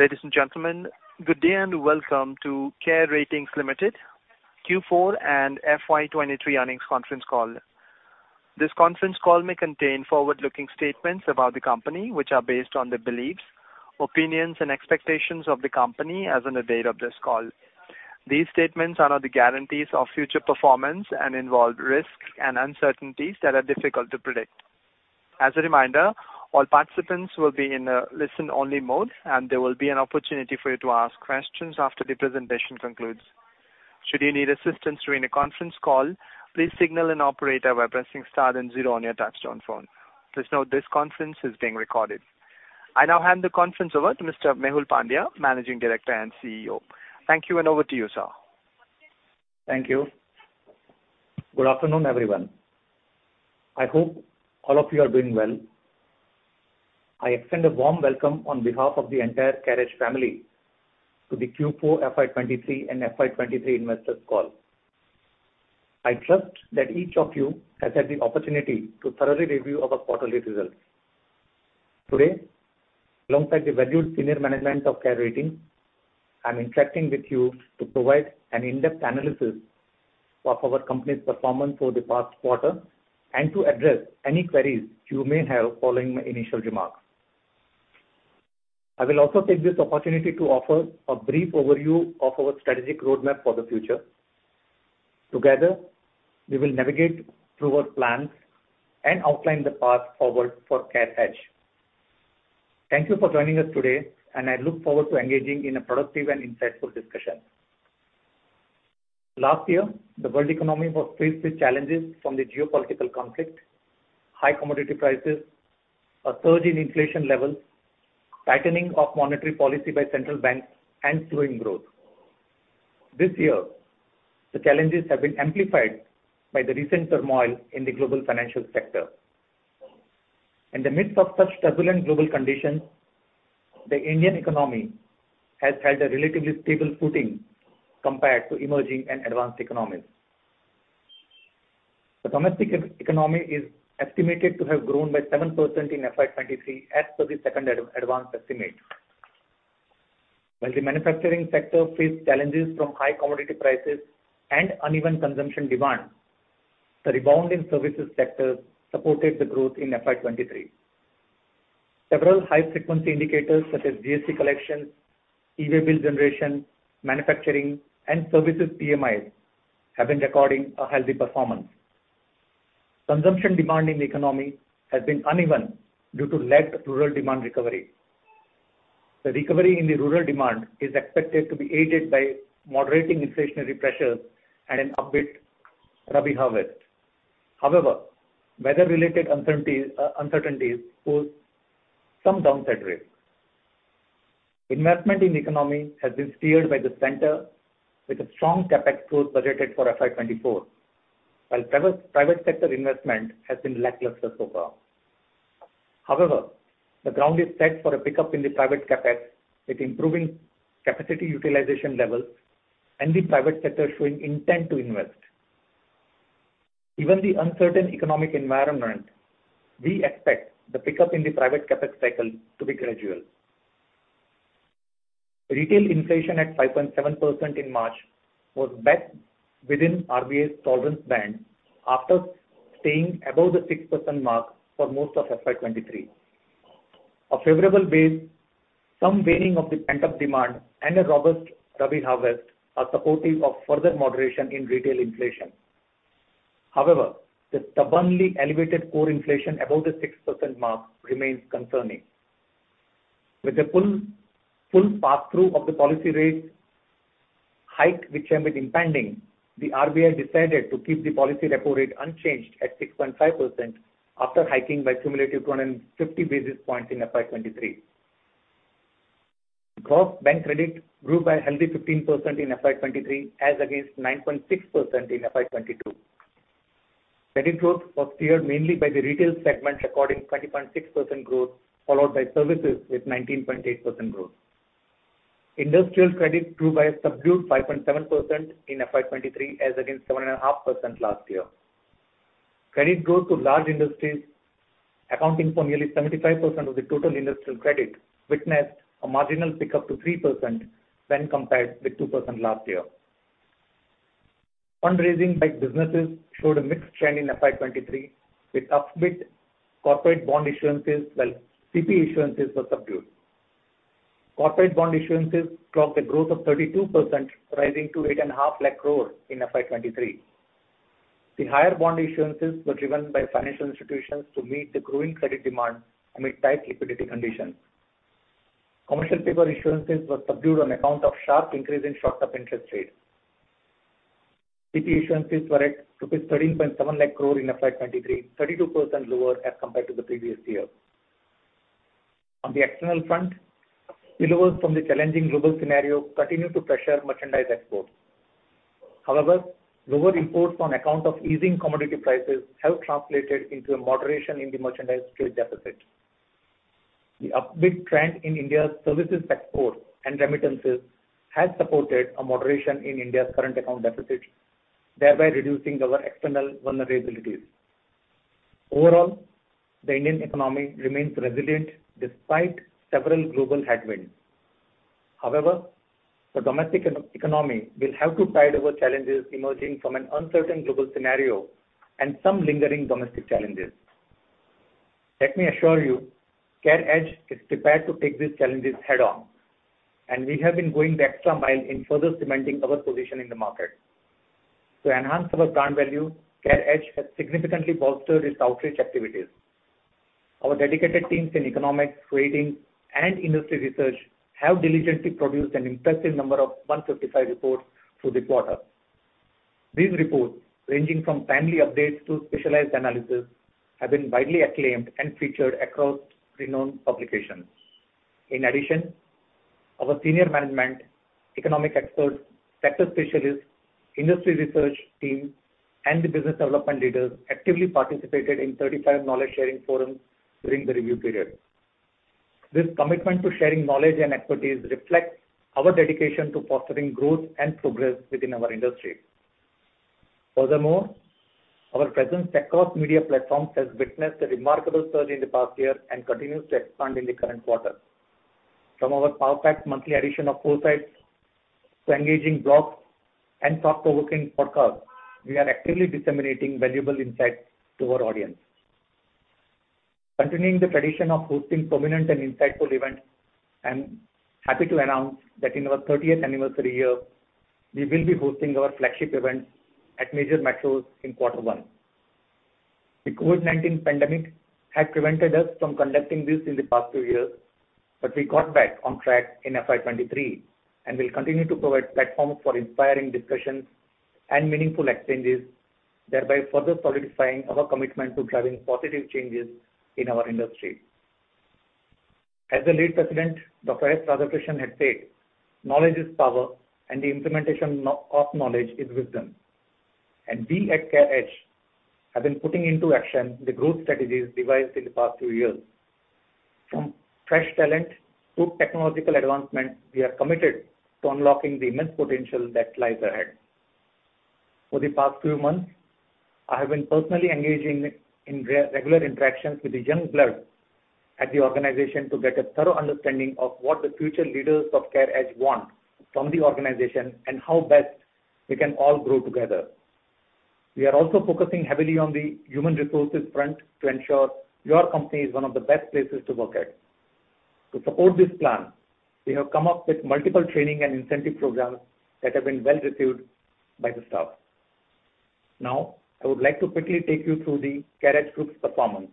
Ladies and gentlemen, good day and welcome to CARE Ratings Limited Q4 and FY 2023 earnings conference call. This conference call may contain forward-looking statements about the company, which are based on the beliefs, opinions, and expectations of the company as on the date of this call. These statements are not the guarantees of future performance and involve risks and uncertainties that are difficult to predict. As a reminder, all participants will be in a listen-only mode. There will be an opportunity for you to ask questions after the presentation concludes. Should you need assistance during the conference call, please signal an operator by pressing star and zero on your touchtone phone. Please note this conference is being recorded. I now hand the conference over to Mr. Mehul Pandya, Managing Director and Chief Executive Officer. Thank you. Over to you, sir. Thank you. Good afternoon, everyone. I hope all of you are doing well. I extend a warm welcome on behalf of the entire CareEdge family to the Q4 FY 2023 and FY 2023 investors call. I trust that each of you has had the opportunity to thoroughly review our quarterly results. Today, alongside the valued senior management of CARE Ratings, I'm interacting with you to provide an in-depth analysis of our company's performance over the past quarter and to address any queries you may have following my initial remarks. I will also take this opportunity to offer a brief overview of our strategic roadmap for the future. Together, we will navigate through our plans and outline the path forward for CareEdge. Thank you for joining us today, and I look forward to engaging in a productive and insightful discussion. Last year, the world economy was faced with challenges from the geopolitical conflict, high commodity prices, a surge in inflation levels, tightening of monetary policy by central banks and slowing growth. This year, the challenges have been amplified by the recent turmoil in the global financial sector. In the midst of such turbulent global conditions, the Indian economy has held a relatively stable footing compared to emerging and advanced economies. The domestic economy is estimated to have grown by 7% in FY 2023 as per the second advanced estimate. While the manufacturing sector faced challenges from high commodity prices and uneven consumption demand, the rebound in services sector supported the growth in FY 2023. Several high-frequency indicators such as GST collections, e-Way Bill generation, manufacturing, and services PMIs have been recording a healthy performance. Consumption demand in the economy has been uneven due to lagged rural demand recovery. The recovery in the rural demand is expected to be aided by moderating inflationary pressures and an upbeat Rabi harvest. However, weather-related uncertainties pose some downside risks. Investment in economy has been steered by the center with a strong CapEx growth budgeted for FY 2024, while private sector investment has been lackluster so far. However, the ground is set for a pickup in the private CapEx with improving capacity utilization levels and the private sector showing intent to invest. Given the uncertain economic environment, we expect the pickup in the private CapEx cycle to be gradual. Retail inflation at 5.7% in March was back within RBI's tolerance band after staying above the 6% mark for most of FY 2023. A favorable base, some waning of the pent-up demand and a robust Rabi harvest are supportive of further moderation in retail inflation. The stubbornly elevated core inflation above the 6% mark remains concerning. With the full pass-through of the policy rate hike, which have been impending, the RBI decided to keep the policy repo rate unchanged at 6.5% after hiking by cumulative 250 basis points in FY 2023. Gross bank credit grew by a healthy 15% in FY 2023 as against 9.6% in FY 2022. Credit growth was steered mainly by the retail segment recording 20.6% growth, followed by services with 19.8% growth. Industrial credit grew by a subdued 5.7% in FY 2023, as against 7.5% last year. Credit growth to large industries accounting for nearly 75% of the total industrial credit witnessed a marginal pickup to 3% when compared with 2% last year. Fundraising by businesses showed a mixed trend in FY 2023, with upbeat corporate bond issuances, while CP issuances were subdued. Corporate bond issuances clocked a growth of 32%, rising to 8.5 lakh crore in FY 2023. The higher bond issuances were driven by financial institutions to meet the growing credit demand amid tight liquidity conditions. Commercial paper issuances were subdued on account of sharp increase in short-term interest rates. CP issuances were at INR 13.7 lakh crore in FY 2023, 32% lower as compared to the previous year. On the external front, spillovers from the challenging global scenario continued to pressure merchandise exports. Lower imports on account of easing commodity prices have translated into a moderation in the merchandise trade deficit. The upbeat trend in India's services exports and remittances has supported a moderation in India's current account deficit. Thereby reducing our external vulnerabilities. The Indian economy remains resilient despite several global headwinds. The domestic economy will have to tide over challenges emerging from an uncertain global scenario and some lingering domestic challenges. Let me assure you, CareEdge is prepared to take these challenges head-on, and we have been going the extra mile in further cementing our position in the market. To enhance our brand value, CareEdge has significantly bolstered its outreach activities. Our dedicated teams in economics, trading, and industry research have diligently produced an impressive number of 155 reports through the quarter. These reports, ranging from timely updates to specialized analysis, have been widely acclaimed and featured across renowned publications. In addition, our senior management, economic experts, sector specialists, industry research team, and the business development leaders actively participated in 35 knowledge sharing forums during the review period. This commitment to sharing knowledge and expertise reflects our dedication to fostering growth and progress within our industry. Furthermore, our presence across media platforms has witnessed a remarkable surge in the past year and continues to expand in the current quarter. From our Powerpack monthly edition of Foresights to engaging blogs and thought-provoking podcast, we are actively disseminating valuable insights to our audience. Continuing the tradition of hosting prominent and insightful events, I'm happy to announce that in our 30th anniversary year, we will be hosting our flagship events at major metros in Q1. The COVID-19 pandemic had prevented us from conducting this in the past two years, but we got back on track in FY 23 and will continue to provide platforms for inspiring discussions and meaningful exchanges, thereby further solidifying our commitment to driving positive changes in our industry. As the late president, Dr. S. Radhakrishnan had said, "Knowledge is power, and the implementation of knowledge is wisdom." We at CareEdge have been putting into action the growth strategies devised in the past two years. From fresh talent to technological advancement, we are committed to unlocking the immense potential that lies ahead. For the past few months, I have been personally engaging in regular interactions with the young blood at the organization to get a thorough understanding of what the future leaders of CareEdge want from the organization and how best we can all grow together. We are also focusing heavily on the human resources front to ensure your company is one of the best places to work at. To support this plan, we have come up with multiple training and incentive programs that have been well received by the staff. I would like to quickly take you through the CareEdge Group's performance.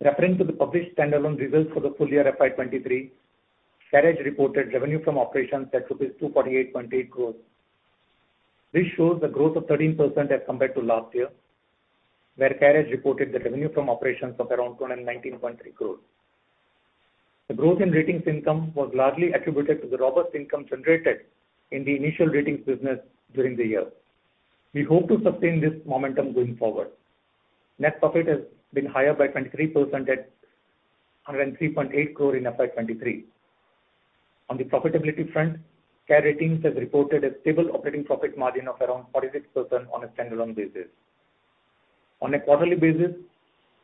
Referring to the published standalone results for the full year FY 2023, CareEdge reported revenue from operations at rupees 248.8 crores. This shows a growth of 13% as compared to last year, where CareEdge reported the revenue from operations of around 219.3 crores. The growth in ratings income was largely attributed to the robust income generated in the initial ratings business during the year. We hope to sustain this momentum going forward. Net profit has been higher by 23% at 103.8 crore in FY 2023. On the profitability front, CARE Ratings has reported a stable operating profit margin of around 46% on a standalone basis. On a quarterly basis,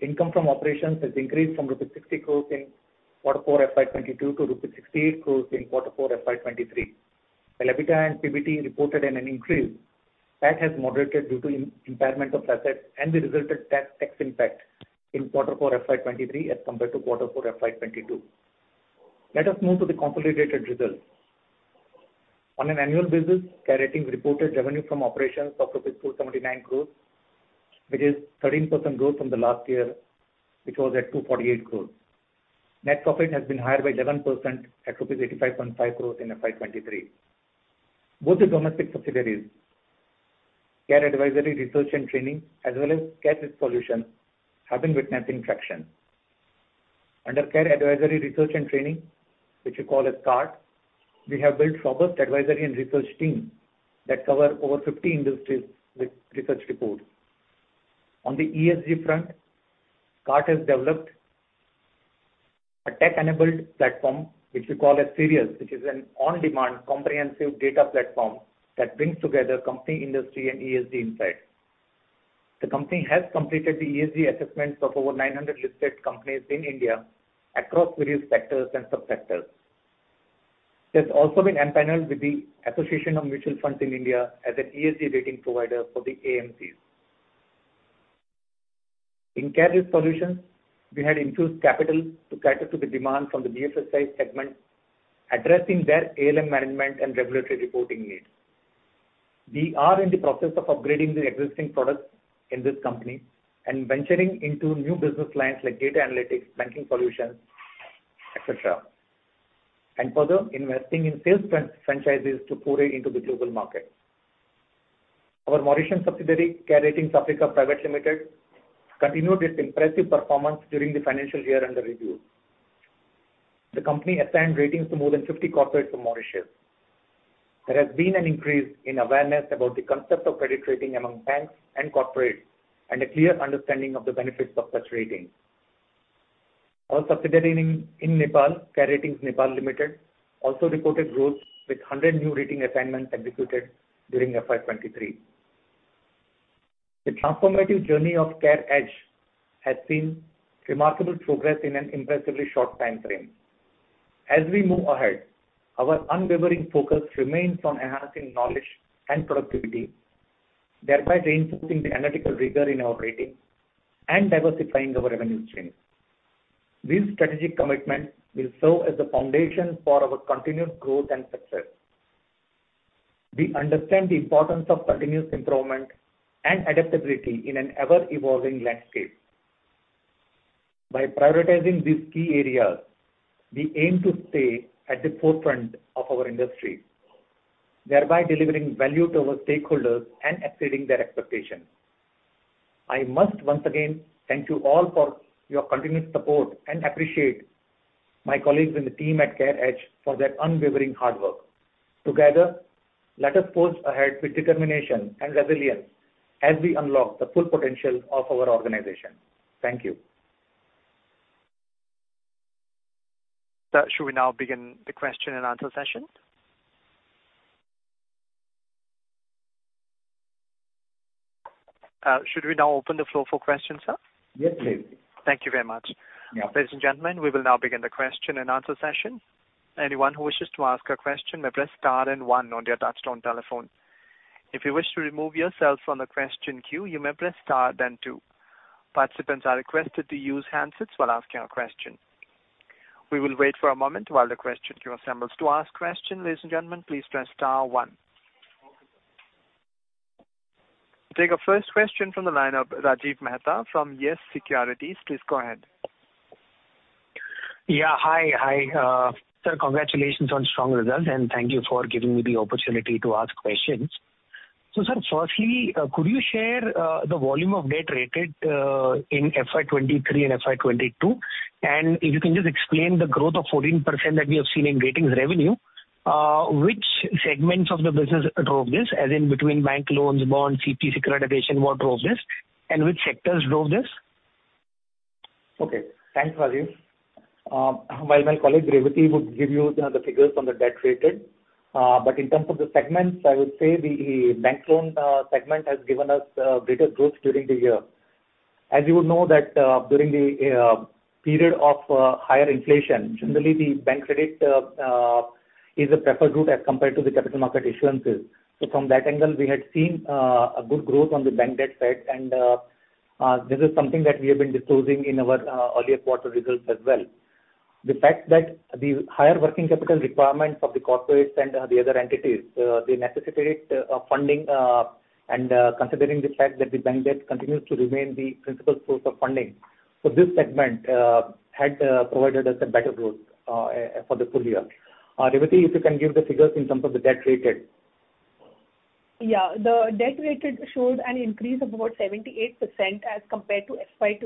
income from operations has increased from rupees 60 crore in Q4 FY 2022 to rupees 68 crore in Q4 FY 2023. While EBITDA and PBT reported an increase that has moderated due to impairment of assets and the resultant tax impact in Q4 FY 2023 as compared to Q4 FY 2022. Let us move to the consolidated results. On an annual basis, CARE Ratings reported revenue from operations of rupees 279 crore, which is 13% growth from the last year, which was at 248 crore. Net profit has been higher by 11% at rupees 85.5 crores in FY 2023. Both the domestic subsidiaries, CARE Advisory Research and Training, as well as CARE Risk Solutions, have been witnessing traction. Under CARE Advisory Research and Training, which we call as CART, we have built robust advisory and research team that cover over 50 industries with research reports. On the ESG front, CART has developed a tech-enabled platform, which we call as SIRIUS, which is an on-demand comprehensive data platform that brings together company, industry and ESG insights. The company has completed the ESG assessments of over 900 listed companies in India across various sectors and subsectors. It has also been empaneled with the Association of Mutual Funds in India as an ESG rating provider for the AMCs. In CARE Risk Solutions, we had infused capital to cater to the demand from the BFSI segment, addressing their ALM management and regulatory reporting needs. We are in the process of upgrading the existing products in this company and venturing into new business lines like data analytics, banking solutions, et cetera. Further investing in sales franchises to foray into the global market. Our Mauritian subsidiary, CARE Ratings (Africa) Private Limited, continued its impressive performance during the financial year under review. The company assigned ratings to more than 50 corporates from Mauritius. There has been an increase in awareness about the concept of credit rating among banks and corporates, and a clear understanding of the benefits of such ratings. Our subsidiary in Nepal, CARE Ratings Nepal Limited, also reported growth with 100 new rating assignments executed during FY 2023. The transformative journey of CareEdge has seen remarkable progress in an impressively short time frame. As we move ahead, our unwavering focus remains on enhancing knowledge and productivity, thereby reinforcing the analytical rigor in our rating and diversifying our revenue streams. This strategic commitment will serve as the foundation for our continued growth and success. We understand the importance of continuous improvement and adaptability in an ever-evolving landscape. By prioritizing these key areas, we aim to stay at the forefront of our industry, thereby delivering value to our stakeholders and exceeding their expectations. I must once again thank you all for your continuous support and appreciate my colleagues and the team at CareEdge for their unwavering hard work. Together, let us forge ahead with determination and resilience as we unlock the full potential of our organization. Thank you. Sir, should we now begin the Q&A session? Should we now open the floor for questions, sir? Yes, please. Thank you very much. Yeah. Ladies and gentlemen, we will now begin the Q&A session. Anyone who wishes to ask a question may press star and one on their touchtone telephone. If you wish to remove yourself from the question queue, you may press star then two. Participants are requested to use handsets while asking a question. We will wait for a moment while the question queue assembles. To ask question, ladies and gentlemen, please press star one. We take our first question from the line of Rajiv Mehta from YES Securities. Please go ahead. Yeah. Hi. Sir, congratulations on strong results, and thank you for giving me the opportunity to ask questions. Sir, firstly, could you share, the volume of debt rated, in FY 2023 and FY 2022? If you can just explain the growth of 14% that we have seen in ratings revenue, which segments of the business drove this, as in between bank loans, bonds, CP, securitization, what drove this? Which sectors drove this? Okay. Thanks, Rajiv. My colleague, Revathi, would give you the figures on the debt rated. In terms of the segments, I would say the bank loan segment has given us greater growth during the year. As you would know that, during the period of higher inflation, generally the bank credit is a preferred route as compared to the capital market issuances. From that angle, we had seen a good growth on the bank debt side, and this is something that we have been disclosing in our earlier quarter results as well. The fact that the higher working capital requirements of the corporates and the other entities, they necessitate a funding, and considering the fact that the bank debt continues to remain the principal source of funding. This segment had provided us a better growth for the full year. Revathi, if you can give the figures in terms of the debt rated. Yeah. The debt rated showed an increase of about 78% as compared to FY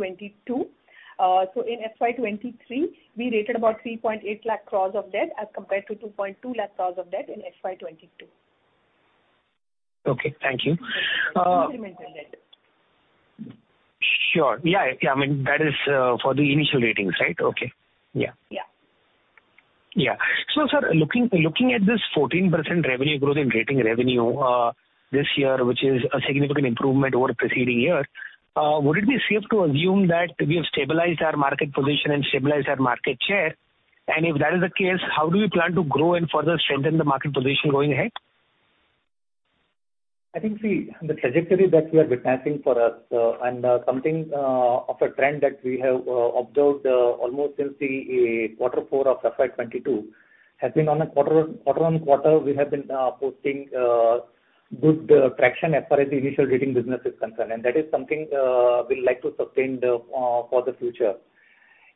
2022. In FY 2023, we rated about 3.8 lakh crores of debt as compared to 2.2 lakh crores of debt in FY 2022. Okay. Thank you. Incremental debt. Sure. Yeah. Yeah. I mean, that is for the initial ratings, right? Okay. Yeah. Yeah. Yeah. Sir, looking at this 14% revenue growth in rating revenue, this year, which is a significant improvement over preceding year, would it be safe to assume that we have stabilized our market position and stabilized our market share? If that is the case, how do we plan to grow and further strengthen the market position going ahead? I think, see, the trajectory that we are witnessing for us, and something of a trend that we have observed almost since the Q4 of FY 2022 has been on a quarter-on-quarter we have been posting good traction as far as the initial rating business is concerned. That is something we'd like to sustain for the future.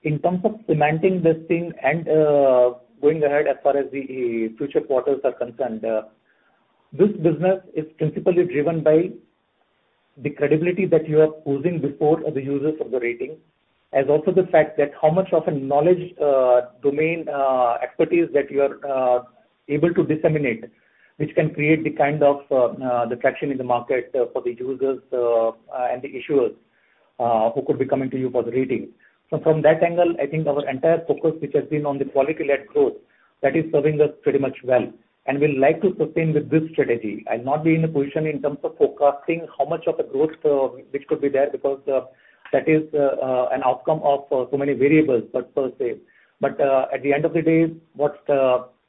In terms of cementing this thing and going ahead as far as the future quarters are concerned, this business is principally driven by the credibility that you are posing before the users of the rating, as also the fact that how much of a knowledge domain expertise that you are able to disseminate, which can create the kind of the traction in the market for the users and the issuers who could be coming to you for the rating. From that angle, I think our entire focus, which has been on the quality-led growth, that is serving us pretty much well. We'd like to sustain with this strategy. I'll not be in a position in terms of forecasting how much of a growth which could be there because that is an outcome of so many variables per se. At the end of the day, what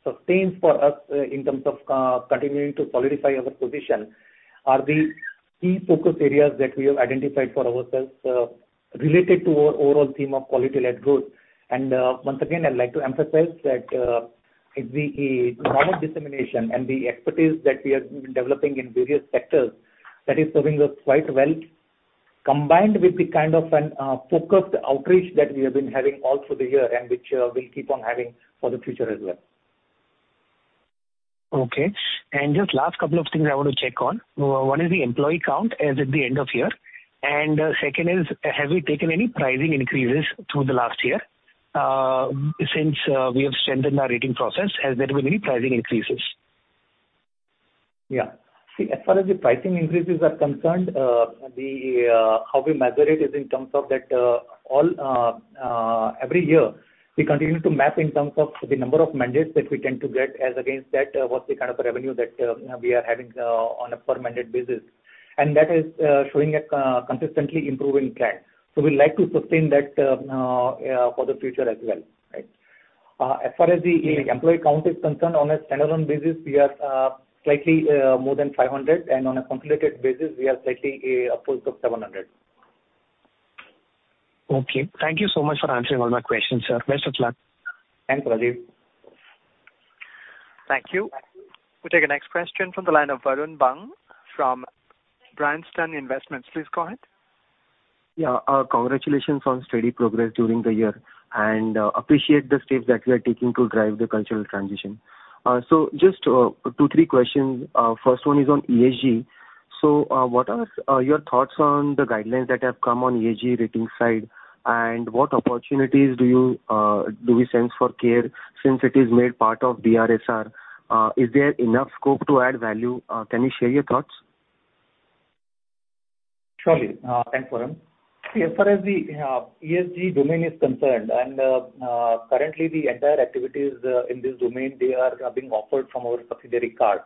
sustains for us in terms of continuing to solidify our position are the key focus areas that we have identified for ourselves, related to our overall theme of quality-led growth. Once again, I'd like to emphasize that the model dissemination and the expertise that we have been developing in various sectors, that is serving us quite well, combined with the kind of an focused outreach that we have been having all through the year and which we'll keep on having for the future as well. Okay. Just last couple of things I want to check on. One is the employee count as at the end of year. Second is, have we taken any pricing increases through the last year? Since we have strengthened our rating process, has there been any pricing increases? Yeah. See, as far as the pricing increases are concerned, how we measure it is in terms of that, every year, we continue to map in terms of the number of mandates that we tend to get as against that, what's the kind of revenue that we are having on a per mandate basis. That is showing a consistently improving track. We like to sustain that for the future as well, right? As far as the employee count is concerned, on a standalone basis, we are slightly more than 500, and on a consolidated basis, we are slightly close to 700. Thank you so much for answering all my questions, sir. Best of luck. Thanks, Rajiv. Thank you. We'll take the next question from the line of Varun Bang from Bryanston Investments. Please go ahead. Yeah. Congratulations on steady progress during the year. Appreciate the steps that you are taking to drive the cultural transition. Just two, three questions. First one is on ESG. What are your thoughts on the guidelines that have come on ESG rating side? What opportunities do you sense for CARE since it is made part of BRSR? Is there enough scope to add value? Can you share your thoughts? Surely. Thanks, Varun. As far as the ESG domain is concerned, currently the entire activities in this domain, they are being offered from our subsidiary CART.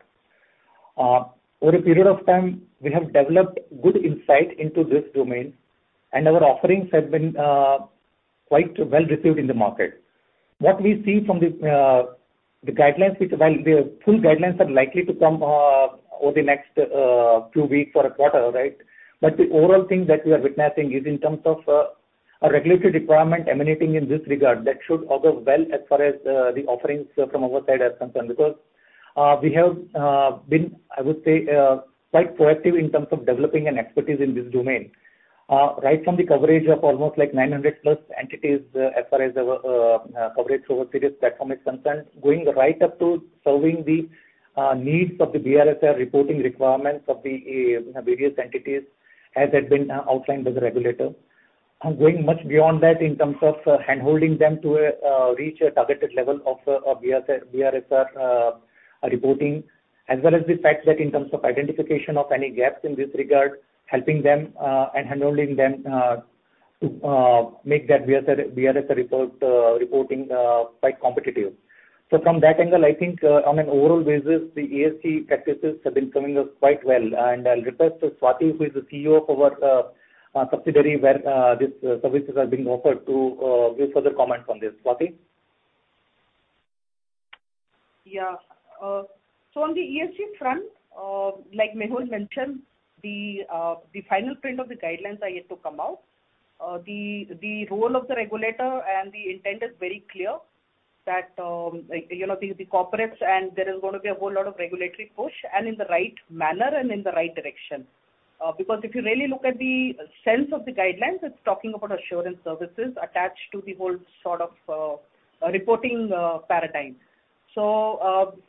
Over a period of time, we have developed good insight into this domain, and our offerings have been quite well received in the market. What we see from this, the guidelines the full guidelines are likely to come over the next two weeks or a quarter, right? The overall thing that we are witnessing is in terms of a regulatory requirement emanating in this regard that should augur well as far as the offerings from our side are concerned. Because we have been, I would say, quite proactive in terms of developing an expertise in this domain. Right from the coverage of almost like 900+ entities, as far as our coverage over SIRIUS platform is concerned, going right up to serving the needs of the BRSR reporting requirements of the various entities as had been outlined by the regulator. Going much beyond that in terms of handholding them to reach a targeted level of BRSR reporting, as well as the fact that in terms of identification of any gaps in this regard, helping them and handholding them to make that BRSR report reporting quite competitive. From that angle, I think, on an overall basis, the ESG practices have been serving us quite well I'll request Swati, who is the Chief Executive Officer of our subsidiary where these services are being offered to give further comment on this. Swati? On the ESG front, like Mehul mentioned, the final print of the guidelines are yet to come out. The role of the regulator and the intent is very clear that, you know, the corporates and there is gonna be a whole lot of regulatory push and in the right manner and in the right direction. Because if you really look at the sense of the guidelines, it's talking about assurance services attached to the whole sort of reporting paradigm.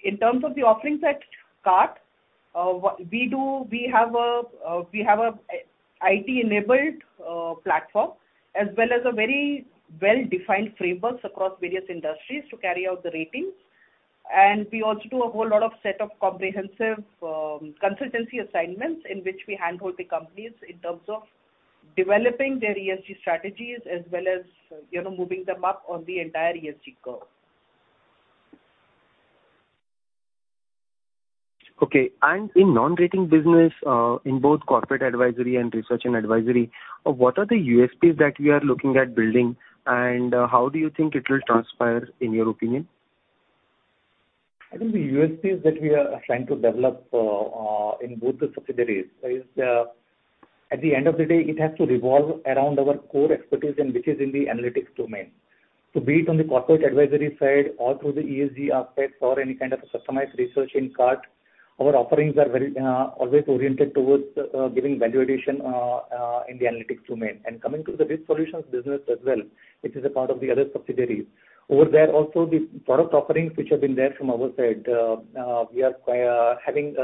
In terms of the offerings at CART, what we do, we have a IT-enabled platform as well as a very well-defined frameworks across various industries to carry out the ratings. We also do a whole lot of set of comprehensive consultancy assignments in which we handhold the companies in terms of developing their ESG strategies as well as, you know, moving them up on the entire ESG curve. Okay. In non-rating business, in both corporate advisory and research and advisory, what are the USPs that you are looking at building, and how do you think it will transpire, in your opinion? I think the USPs that we are trying to develop in both the subsidiaries is at the end of the day, it has to revolve around our core expertise and which is in the analytics domain. Be it on the corporate advisory side or through the ESG aspects or any kind of customized research in CART, our offerings are very always oriented towards giving value addition in the analytics domain. Coming to the Risk Solutions business as well, which is a part of the other subsidiaries. Over there also, the product offerings which have been there from our side, we are having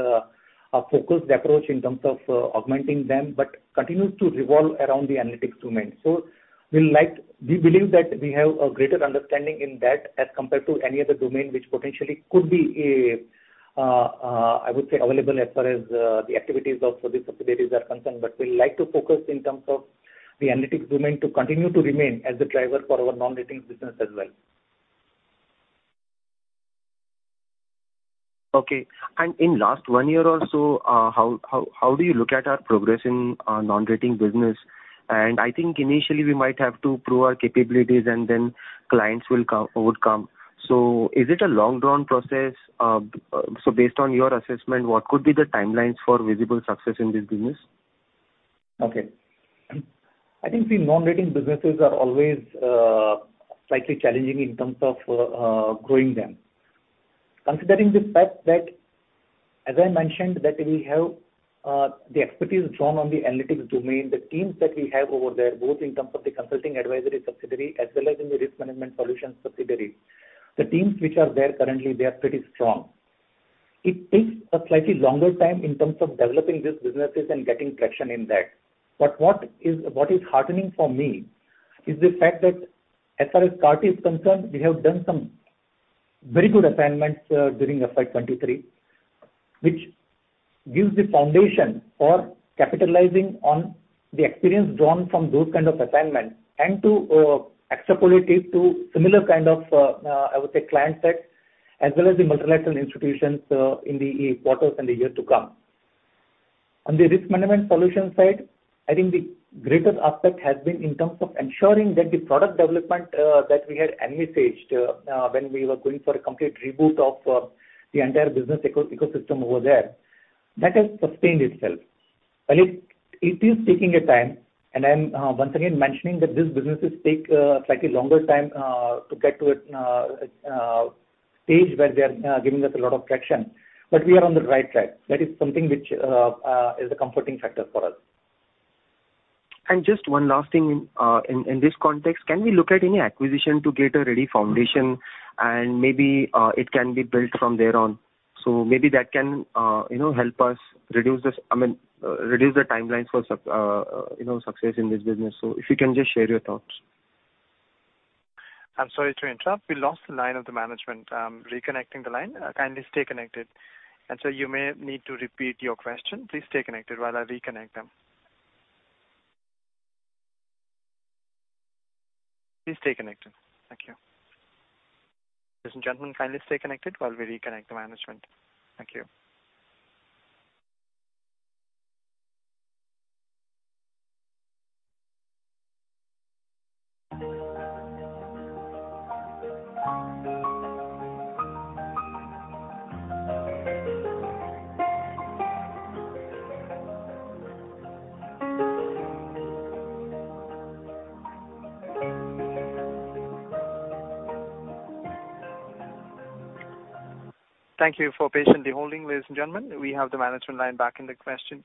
a focused approach in terms of augmenting them, but continues to revolve around the analytics domain. We believe that we have a greater understanding in that as compared to any other domain which potentially could be, I would say available as far as the activities of the subsidiaries are concerned. We like to focus in terms of the analytics domain to continue to remain as the driver for our non-rating business as well. Okay. In last one year or so, how do you look at our progress in non-rating business? I think initially we might have to prove our capabilities and then clients will come. Is it a long drawn process? Based on your assessment, what could be the timelines for visible success in this business? Okay. I think the non-rating businesses are always slightly challenging in terms of growing them. Considering the fact that, as I mentioned, that we have the expertise drawn on the analytics domain, the teams that we have over there, both in terms of the consulting advisory subsidiary as well as in the risk management solutions subsidiary. The teams which are there currently, they are pretty strong. It takes a slightly longer time in terms of developing these businesses and getting traction in that. What is heartening for me is the fact that as far as CART is concerned, we have done some very good assignments during FY 2023, which gives the foundation for capitalizing on the experience drawn from those kind of assignments and to extrapolate it to similar kind of, I would say, client set, as well as the multilateral institutions in the quarters and the year to come. On the risk management solution side, I think the greatest aspect has been in terms of ensuring that the product development that we had envisaged when we were going for a complete reboot of the entire business ecosystem over there. That has sustained itself. It is taking a time, and I'm once again mentioning that these businesses take slightly longer time to get to a stage where they are giving us a lot of traction. We are on the right track. That is something which is a comforting factor for us. Just one last thing. In this context, can we look at any acquisition to get a ready foundation and maybe it can be built from there on? Maybe that can, you know, help us reduce this... I mean, reduce the timelines for success in this business. If you can just share your thoughts. I'm sorry to interrupt. We lost the line of the management. I'm reconnecting the line. Kindly stay connected. Sir, you may need to repeat your question. Please stay connected while I reconnect them. Please stay connected. Thank you. Ladies and gentlemen, kindly stay connected while we reconnect the management. Thank you. Thank you for patiently holding, ladies and gentlemen. We have the management line back in the question,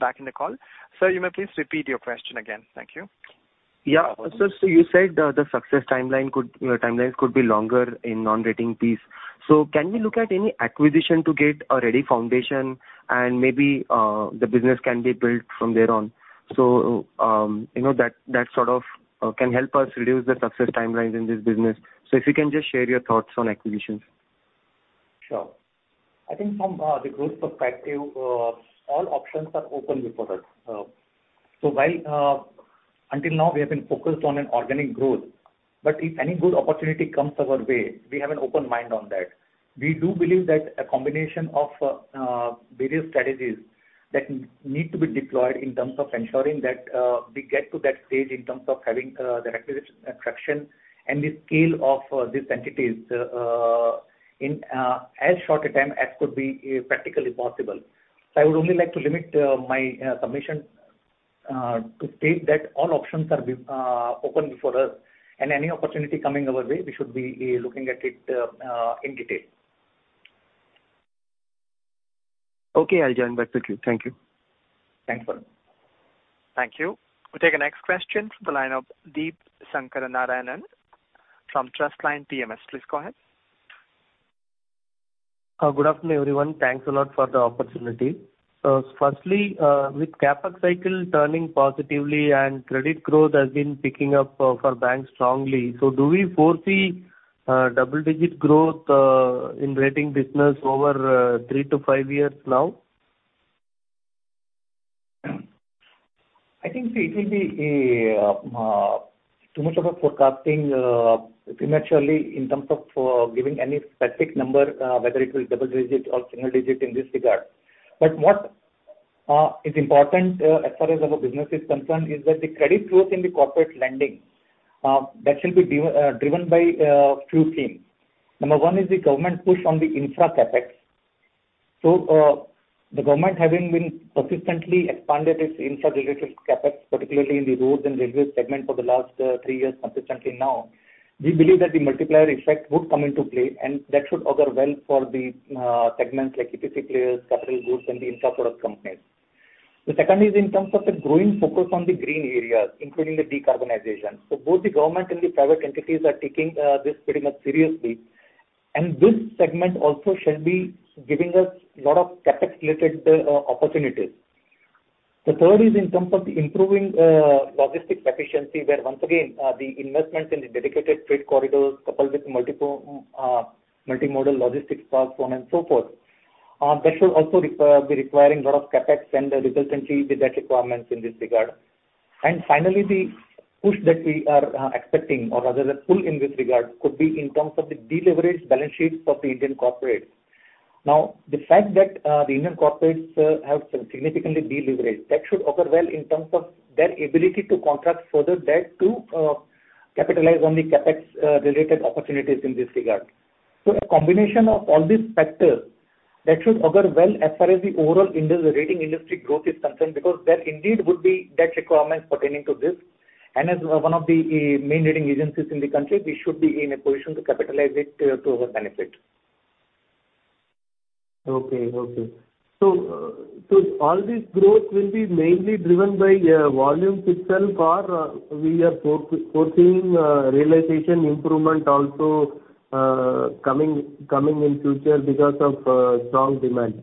back in the call. Sir, you may please repeat your question again. Thank you. You said the success timeline could, you know, timelines could be longer in non-rating piece. Can we look at any acquisition to get a ready foundation and maybe the business can be built from there on? You know, that sort of can help us reduce the success timelines in this business. If you can just share your thoughts on acquisitions. Sure. I think from the growth perspective, all options are open before us. While until now we have been focused on an organic growth, but if any good opportunity comes our way, we have an open mind on that. We do believe that a combination of various strategies that need to be deployed in terms of ensuring that we get to that stage in terms of having the acquisition traction and the scale of these entities in as short a time as could be practically possible. I would only like to limit my submission to state that all options are open before us, and any opportunity coming our way, we should be looking at it in detail. Okay. I'll join back with you. Thank you. Thanks a lot. Thank you. We'll take the next question from the line of Deep Sankara Narayanan from TrustLine PMS. Please go ahead. Good afternoon, everyone. Thanks a lot for the opportunity. Firstly, with CapEx cycle turning positively and credit growth has been picking up for banks strongly, do we foresee double-digit growth in rating business over three to five years now? I think it will be a too much of a forecasting prematurely in terms of giving any specific number whether it will double-digit or single-digit in this regard. What is important as far as our business is concerned, is that the credit growth in the corporate lending that should be driven by few themes. Number one is the government push on the infra CapEx. The government having been persistently expanded its infra-related CapEx, particularly in the roads and railways segment for the last three years consistently now. We believe that the multiplier effect would come into play, and that should augur well for the segments like EPC players, capital goods, and the infra-focused companies. The second is in terms of the growing focus on the green areas, including the decarbonization. Both the government and the private entities are taking this pretty much seriously. This segment also shall be giving us lot of CapEx-related opportunities. The third is in terms of improving logistics efficiency, where once again, the investments in the dedicated freight corridors coupled with multiple multimodal logistics platform and so forth. That should also be requiring lot of CapEx and resultantly the debt requirements in this regard. Finally, the push that we are expecting, or rather the pull in this regard could be in terms of the deleveraged balance sheets of the Indian corporate. The fact that the Indian corporates have significantly deleveraged, that should augur well in terms of their ability to contract further debt to capitalize on the CapEx related opportunities in this regard. A combination of all these factors, that should augur well as far as the overall rating industry growth is concerned, because there indeed would be debt requirements pertaining to this. As one of the main rating agencies in the country, we should be in a position to capitalize it to our benefit. Okay. All this growth will be mainly driven by volume itself or we are foreseeing realization improvement also coming in future because of strong demand?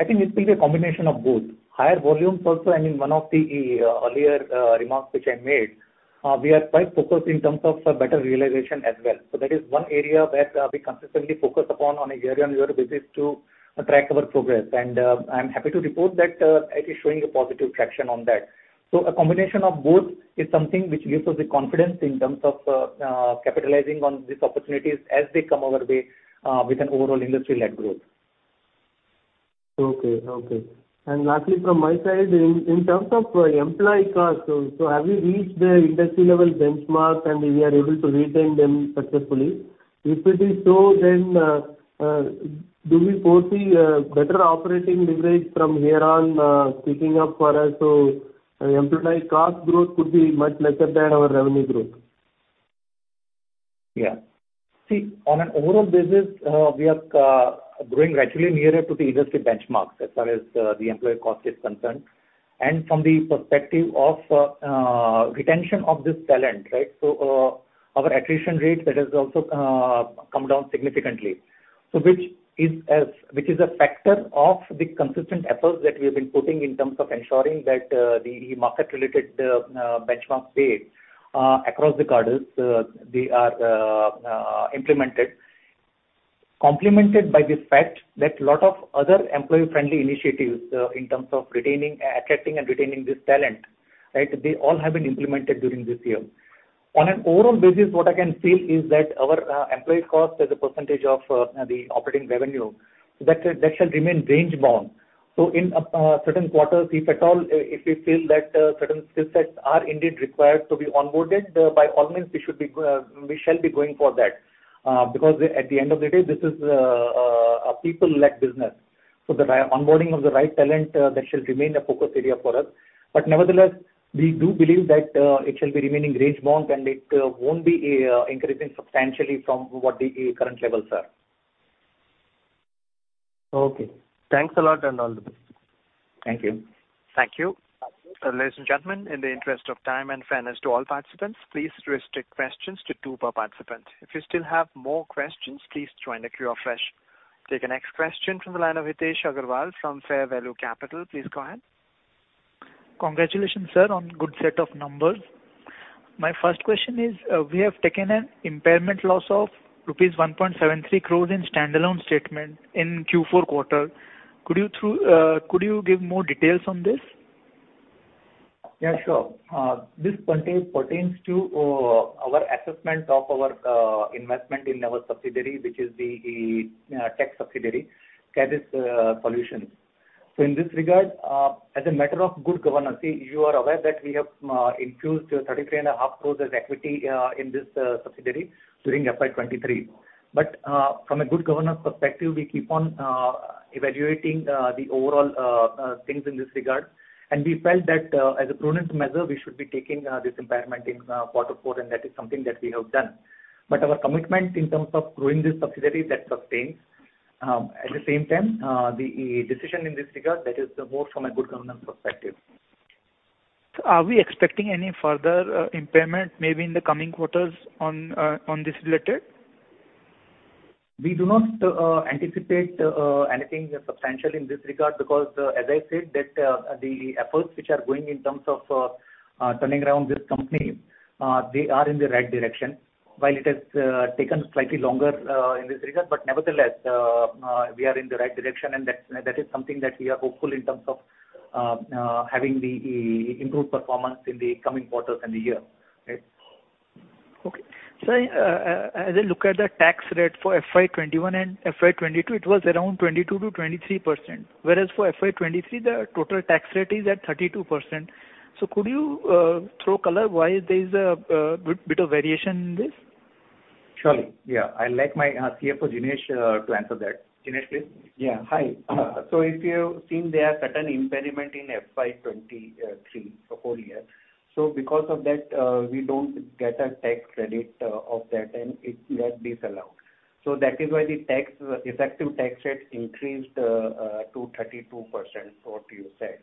I think it will be a combination of both. Higher volumes also, I mean, one of the earlier remarks which I made, we are quite focused in terms of better realization as well. That is one area where we consistently focus upon on a year-on-year basis to attract our progress. I'm happy to report that it is showing a positive traction on that. A combination of both is something which gives us the confidence in terms of capitalizing on these opportunities as they come our way with an overall industry-led growth. Okay. Lastly from my side, in terms of employee costs, have you reached the industry level benchmark and we are able to retain them successfully? If it is so, do we foresee better operating leverage from here on picking up for us so employee cost growth could be much lesser than our revenue growth? Yeah. See, on an overall basis, we are growing gradually nearer to the industry benchmarks as far as the employee cost is concerned. From the perspective of retention of this talent, right? Our attrition rate, that has also come down significantly. Which is a factor of the consistent efforts that we have been putting in terms of ensuring that the market-related benchmark pays across the cadres, they are implemented. Complemented by the fact that lot of other employee-friendly initiatives in terms of attracting and retaining this talent, right? They all have been implemented during this year. On an overall basis, what I can say is that our employee cost as a % of the operating revenue, that shall remain range bound. In certain quarters, if at all, if we feel that certain skill sets are indeed required to be onboarded, by all means we should be, we shall be going for that. Because at the end of the day, this is a people-led business. The onboarding of the right talent, that shall remain a focus area for us. Nevertheless, we do believe that it shall be remaining range bound, and it won't be increasing substantially from what the current levels are. Okay. Thanks a lot and all the best. Thank you. Thank you. Ladies and gentlemen, in the interest of time and fairness to all participants, please restrict questions to two per participant. If you still have more questions, please join the queue afresh. Take the next question from the line of Hitesh Agarwal from Fair Value Capital. Please go ahead. Congratulations, sir, on good set of numbers. My first question is, we have taken an impairment loss of rupees 1.73 crores in standalone statement in Q4. Could you give more details on this? Yeah, sure. This pertains to our assessment of our investment in our subsidiary, which is the tech subsidiary, CARE Risk Solutions. In this regard, as a matter of good governance, see, you are aware that we have infused 33.5 crore as equity in this subsidiary during FY 2023. From a good governance perspective, we keep on evaluating the overall things in this regard. We felt that as a prudent measure, we should be taking this impairment in Q4, and that is something that we have done. At the same time, the decision in this regard, that is more from a good governance perspective. Are we expecting any further impairment maybe in the coming quarters on this related? We do not anticipate anything substantial in this regard because as I said that the efforts which are going in terms of turning around this company they are in the right direction. While it has taken slightly longer in this regard, but nevertheless, we are in the right direction, and that is something that we are hopeful in terms of having the improved performance in the coming quarters and the year. Right? Okay. As I look at the tax rate for FY 2021 and FY 2022, it was around 22%-23%, whereas for FY 2023, the total tax rate is at 32%. Could you throw color why there is a bit of variation in this? Surely, yeah. I'd like my Chief Financial Officer Jinesh to answer that. Jinesh, please. Yeah. Hi. If you've seen there are certain impairment in FY 23, the whole year. Because of that, we don't get a tax credit of that and that is allowed. That is why the tax, effective tax rate increased to 32% what you said.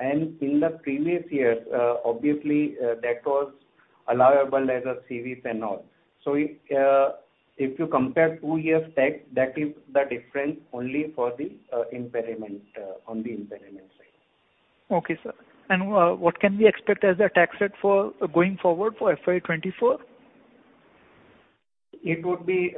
In the previous years, obviously, that was allowable as a CV and all. If you compare two years' tax, that is the difference only for the impairment on the impairment side. Okay, sir. What can we expect as a tax rate for going forward for FY 2024? It would be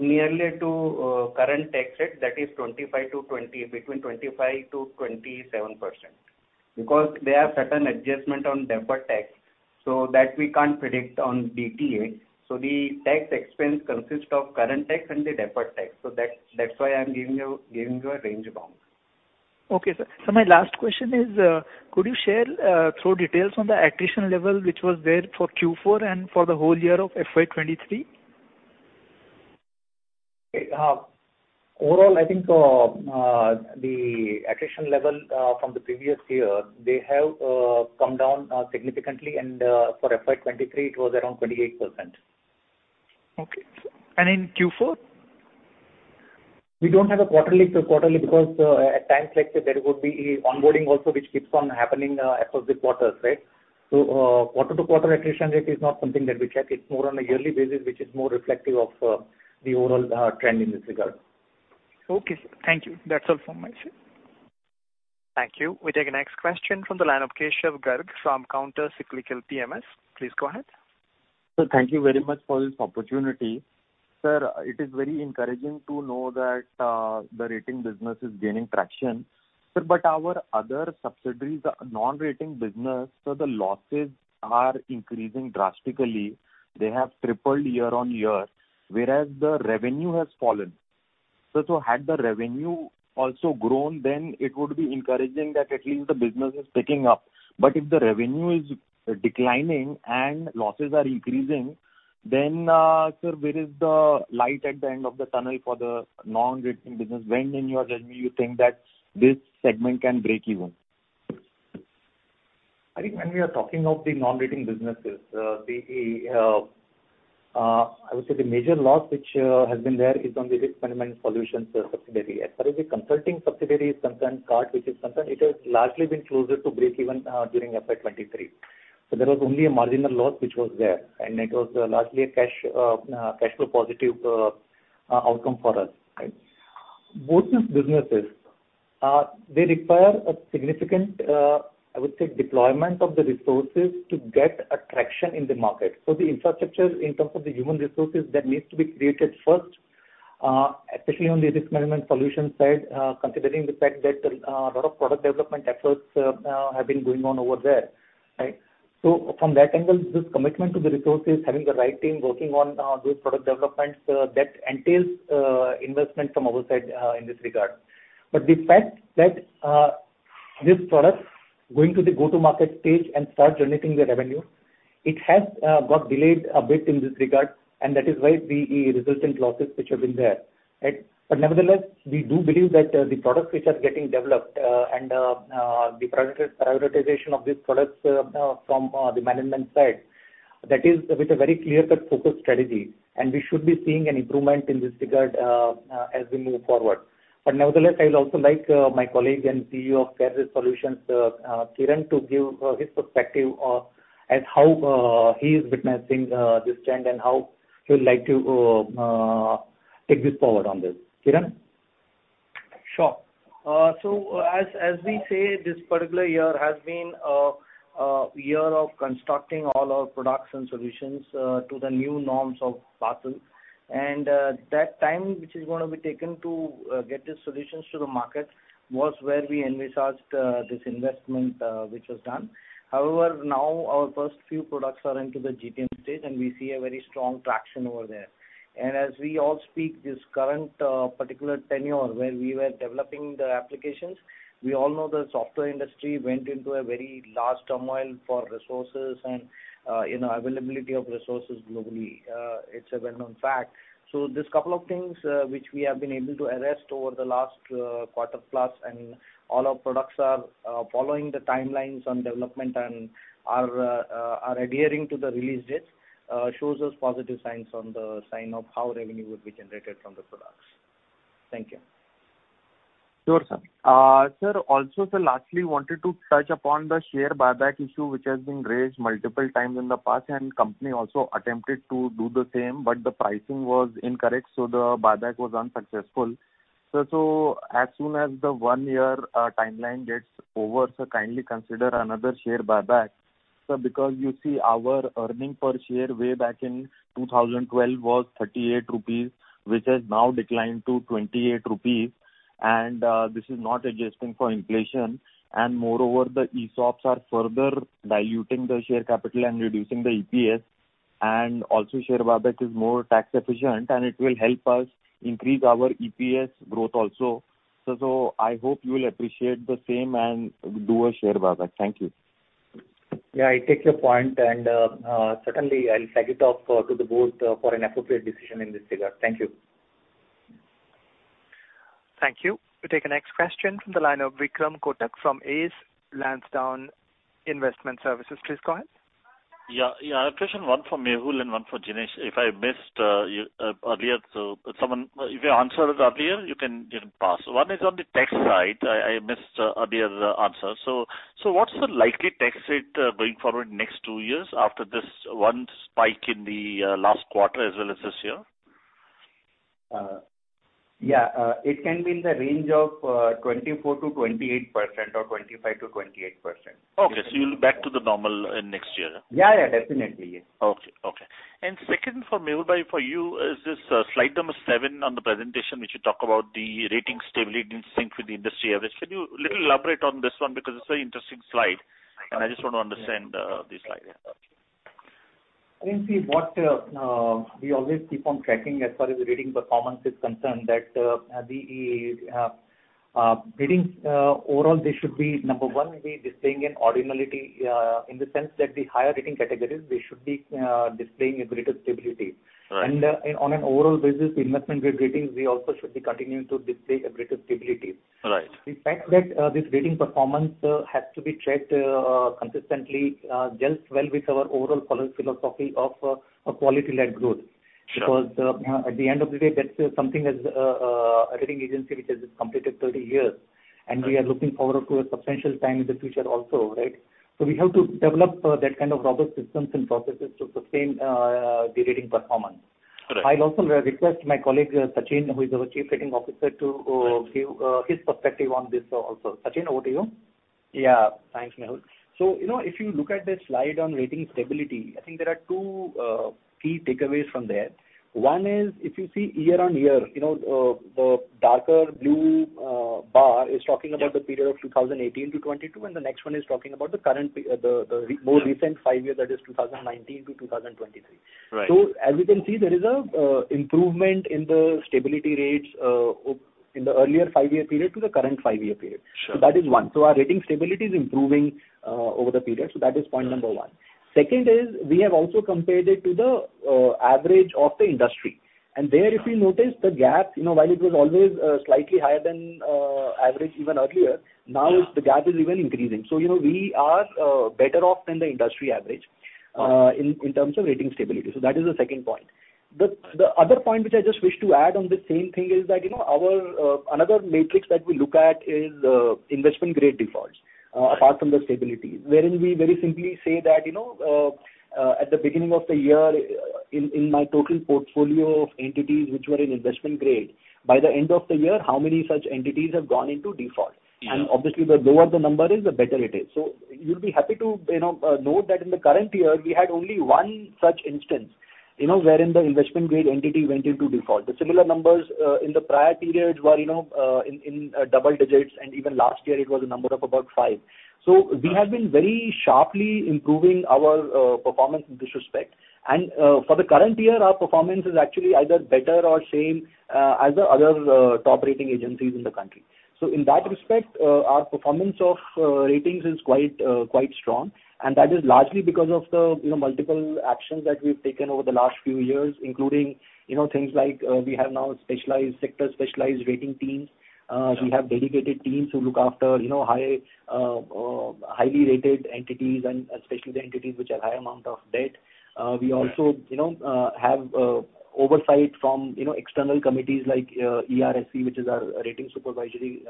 nearly to current tax rate, that is 25%-27%, between 25% and 27%. There are certain adjustment on deferred tax, so that we can't predict on DTA. The tax expense consists of current tax and the deferred tax. That's why I'm giving you a range bound. Okay, sir. My last question is, could you share, throw details on the attrition level which was there for Q4 and for the whole year of FY 2023? Okay. overall, I think, the attrition level, from the previous year, they have come down significantly and for FY 2023 it was around 28%. Okay. In Q4? We don't have a quarterly because at times like that there would be onboarding also which keeps on happening across the quarters, right? Quarter to quarter attrition rate is not something that we check. It's more on a yearly basis which is more reflective of the overall trend in this regard. Okay, sir. Thank you. That's all from my side. Thank you. We take the next question from the line of Keshav Garg from Counter Cyclical PMS. Please go ahead. Sir, thank you very much for this opportunity. Sir, it is very encouraging to know that the rating business is gaining traction. Sir, our other subsidiaries, non-rating business, so the losses are increasing drastically. They have tripled year-on-year, whereas the revenue has fallen. Had the revenue also grown, then it would be encouraging that at least the business is picking up. If the revenue is declining and losses are increasing, sir, where is the light at the end of the tunnel for the non-rating business? When in your judgment do you think that this segment can break-even? I think when we are talking of the non-rating businesses, I would say the major loss which has been there is on the risk management solutions subsidiary. As far as the consulting subsidiary is concerned, CART which is concerned, it has largely been closer to break-even during FY 2023. There was only a marginal loss which was there, and it was largely a cash flow positive outcome for us. Both these businesses, they require a significant I would say deployment of the resources to get a traction in the market. The infrastructure in terms of the human resources that needs to be created first, especially on the risk management solution side, considering the fact that a lot of product development efforts have been going on over there. From that angle, this commitment to the resources, having the right team working on those product developments, that entails investment from our side in this regard. The fact that this product going to the go-to-market stage and start generating the revenue, it has got delayed a bit in this regard, and that is why the resultant losses which have been there, right? Nevertheless, we do believe that the products which are getting developed and the prioritization of these products from the management side, that is with a very clear cut focused strategy. We should be seeing an improvement in this regard as we move forward. Nevertheless, I will also like my colleague and Chief Executive Officer of CARE Risk Solutions, Kiran to give his perspective as how he is witnessing this trend and how he would like to take this forward on this. Kiran? Sure. As we say, this particular year has been year of constructing all our products and solutions to the new norms of Basel. That time which is gonna be taken to get these solutions to the market was where we envisaged this investment which was done. Now our first few products are into the GTM stage, and we see a very strong traction over there. As we all speak this current particular tenure where we were developing the applications, we all know the software industry went into a very large turmoil for resources and, you know, availability of resources globally. It's a well-known fact. There's couple of things, which we have been able to arrest over the last quarter plus, and all our products are following the timelines on development and are adhering to the release dates, shows us positive signs on the sign of how revenue will be generated from the products. Thank you. Sure, sir. Sir, also, sir, lastly, wanted to touch upon the share buyback issue which has been raised multiple times in the past. Company also attempted to do the same, but the pricing was incorrect, so the buyback was unsuccessful. Sir, as soon as the one year timeline gets over, sir, kindly consider another share buyback. Sir, because you see our earning per share way back in 2012 was 38 rupees, which has now declined to 28 rupees, and this is not adjusting for inflation. Moreover, the ESOPs are further diluting the share capital and reducing the EPS. Also share buyback is more tax efficient, and it will help us increase our EPS growth also. I hope you will appreciate the same and do a share buyback. Thank you. I take your point, and certainly I'll take it up to the board for an appropriate decision in this regard. Thank you. Thank you. We take the next question from the line of Vikram Kotak from Ace Lansdowne Investment Services. Please go ahead. Yeah, yeah. A question one for Mehul and one for Jinesh. If I missed earlier, so someone if you answered earlier, you can, you know, pass. One is on the tax side. I missed earlier answer. What's the likely tax rate going forward next two years after this one spike in the last quarter as well as this year? Yeah. It can be in the range of, 24%-28% or 25%-28%. Okay. You'll be back to the normal next year? Yeah, yeah. Definitely, yeah. Okay. Second for Mehul bhai for you is this, slide number seven on the presentation which you talk about the rating stability in sync with the industry average. Can you little elaborate on this one because it's a very interesting slide? I just want to understand this slide. Yeah. I think we always keep on tracking as far as the rating performance is concerned that the ratings overall they should be number one, be displaying an ordinality in the sense that the higher rating categories, they should be displaying a greater stability. Right. On an overall basis, the investment grade ratings, we also should be continuing to display a greater stability. Right. The fact that this rating performance has to be tracked consistently gels well with our overall philosophy of a quality-led growth. Because, you know, at the end of the day that's something as a rating agency which has just completed 30 years. Right. We are looking forward to a substantial time in the future also, right? We have to develop that kind of robust systems and processes to sustain the rating performance. Correct. I'll also request my colleague, Sachin, who is our Chief Rating Officer, to give his perspective on this also. Sachin, over to you. Yeah. Thanks, Mehul. You know, if you look at the slide on rating stability, I think there are two key takeaways from there. One is if you see year-on-year, you know, the darker blue bar is talking about- Yeah. The period of 2018 to 2022, the next one is talking about the current. Yeah. more recent five years, that is 2019-2023. Right. As you can see, there is improvement in the stability rates in the earlier five-year period to the current five-year period. Sure. That is one. Our rating stability is improving over the period. That is point number one. Second is we have also compared it to the average of the industry. There if you notice the gap, you know, while it was always slightly higher than average even earlier. Yeah. Now the gap is even increasing. You know, we are better off than the industry average. Right. In terms of rating stability. That is the second point. The other point which I just wish to add on the same thing is that, you know, our another matrix that we look at is investment grade defaults, apart from the stability. Wherein we very simply say that, you know, at the beginning of the year in my total portfolio of entities which were in investment grade, by the end of the year how many such entities have gone into default? Yeah. Obviously the lower the number is, the better it is. You'll be happy to, you know, note that in the current year we had only one such instance, you know, wherein the investment grade entity went into default. The similar numbers in the prior periods were, you know, in double digits and even last year it was a number of about five. Right. We have been very sharply improving our performance in this respect. For the current year, our performance is actually either better or same as the other top rating agencies in the country. In that respect, our performance of ratings is quite strong, and that is largely because of the, you know, multiple actions that we've taken over the last few years, including, you know, things like, we have now specialized sector, specialized rating teams. We have dedicated teams who look after, you know, highly rated entities and especially the entities which have high amount of debt. We also Right. You know, have oversight from, you know, external committees like ERSC, which is our Rating Supervisory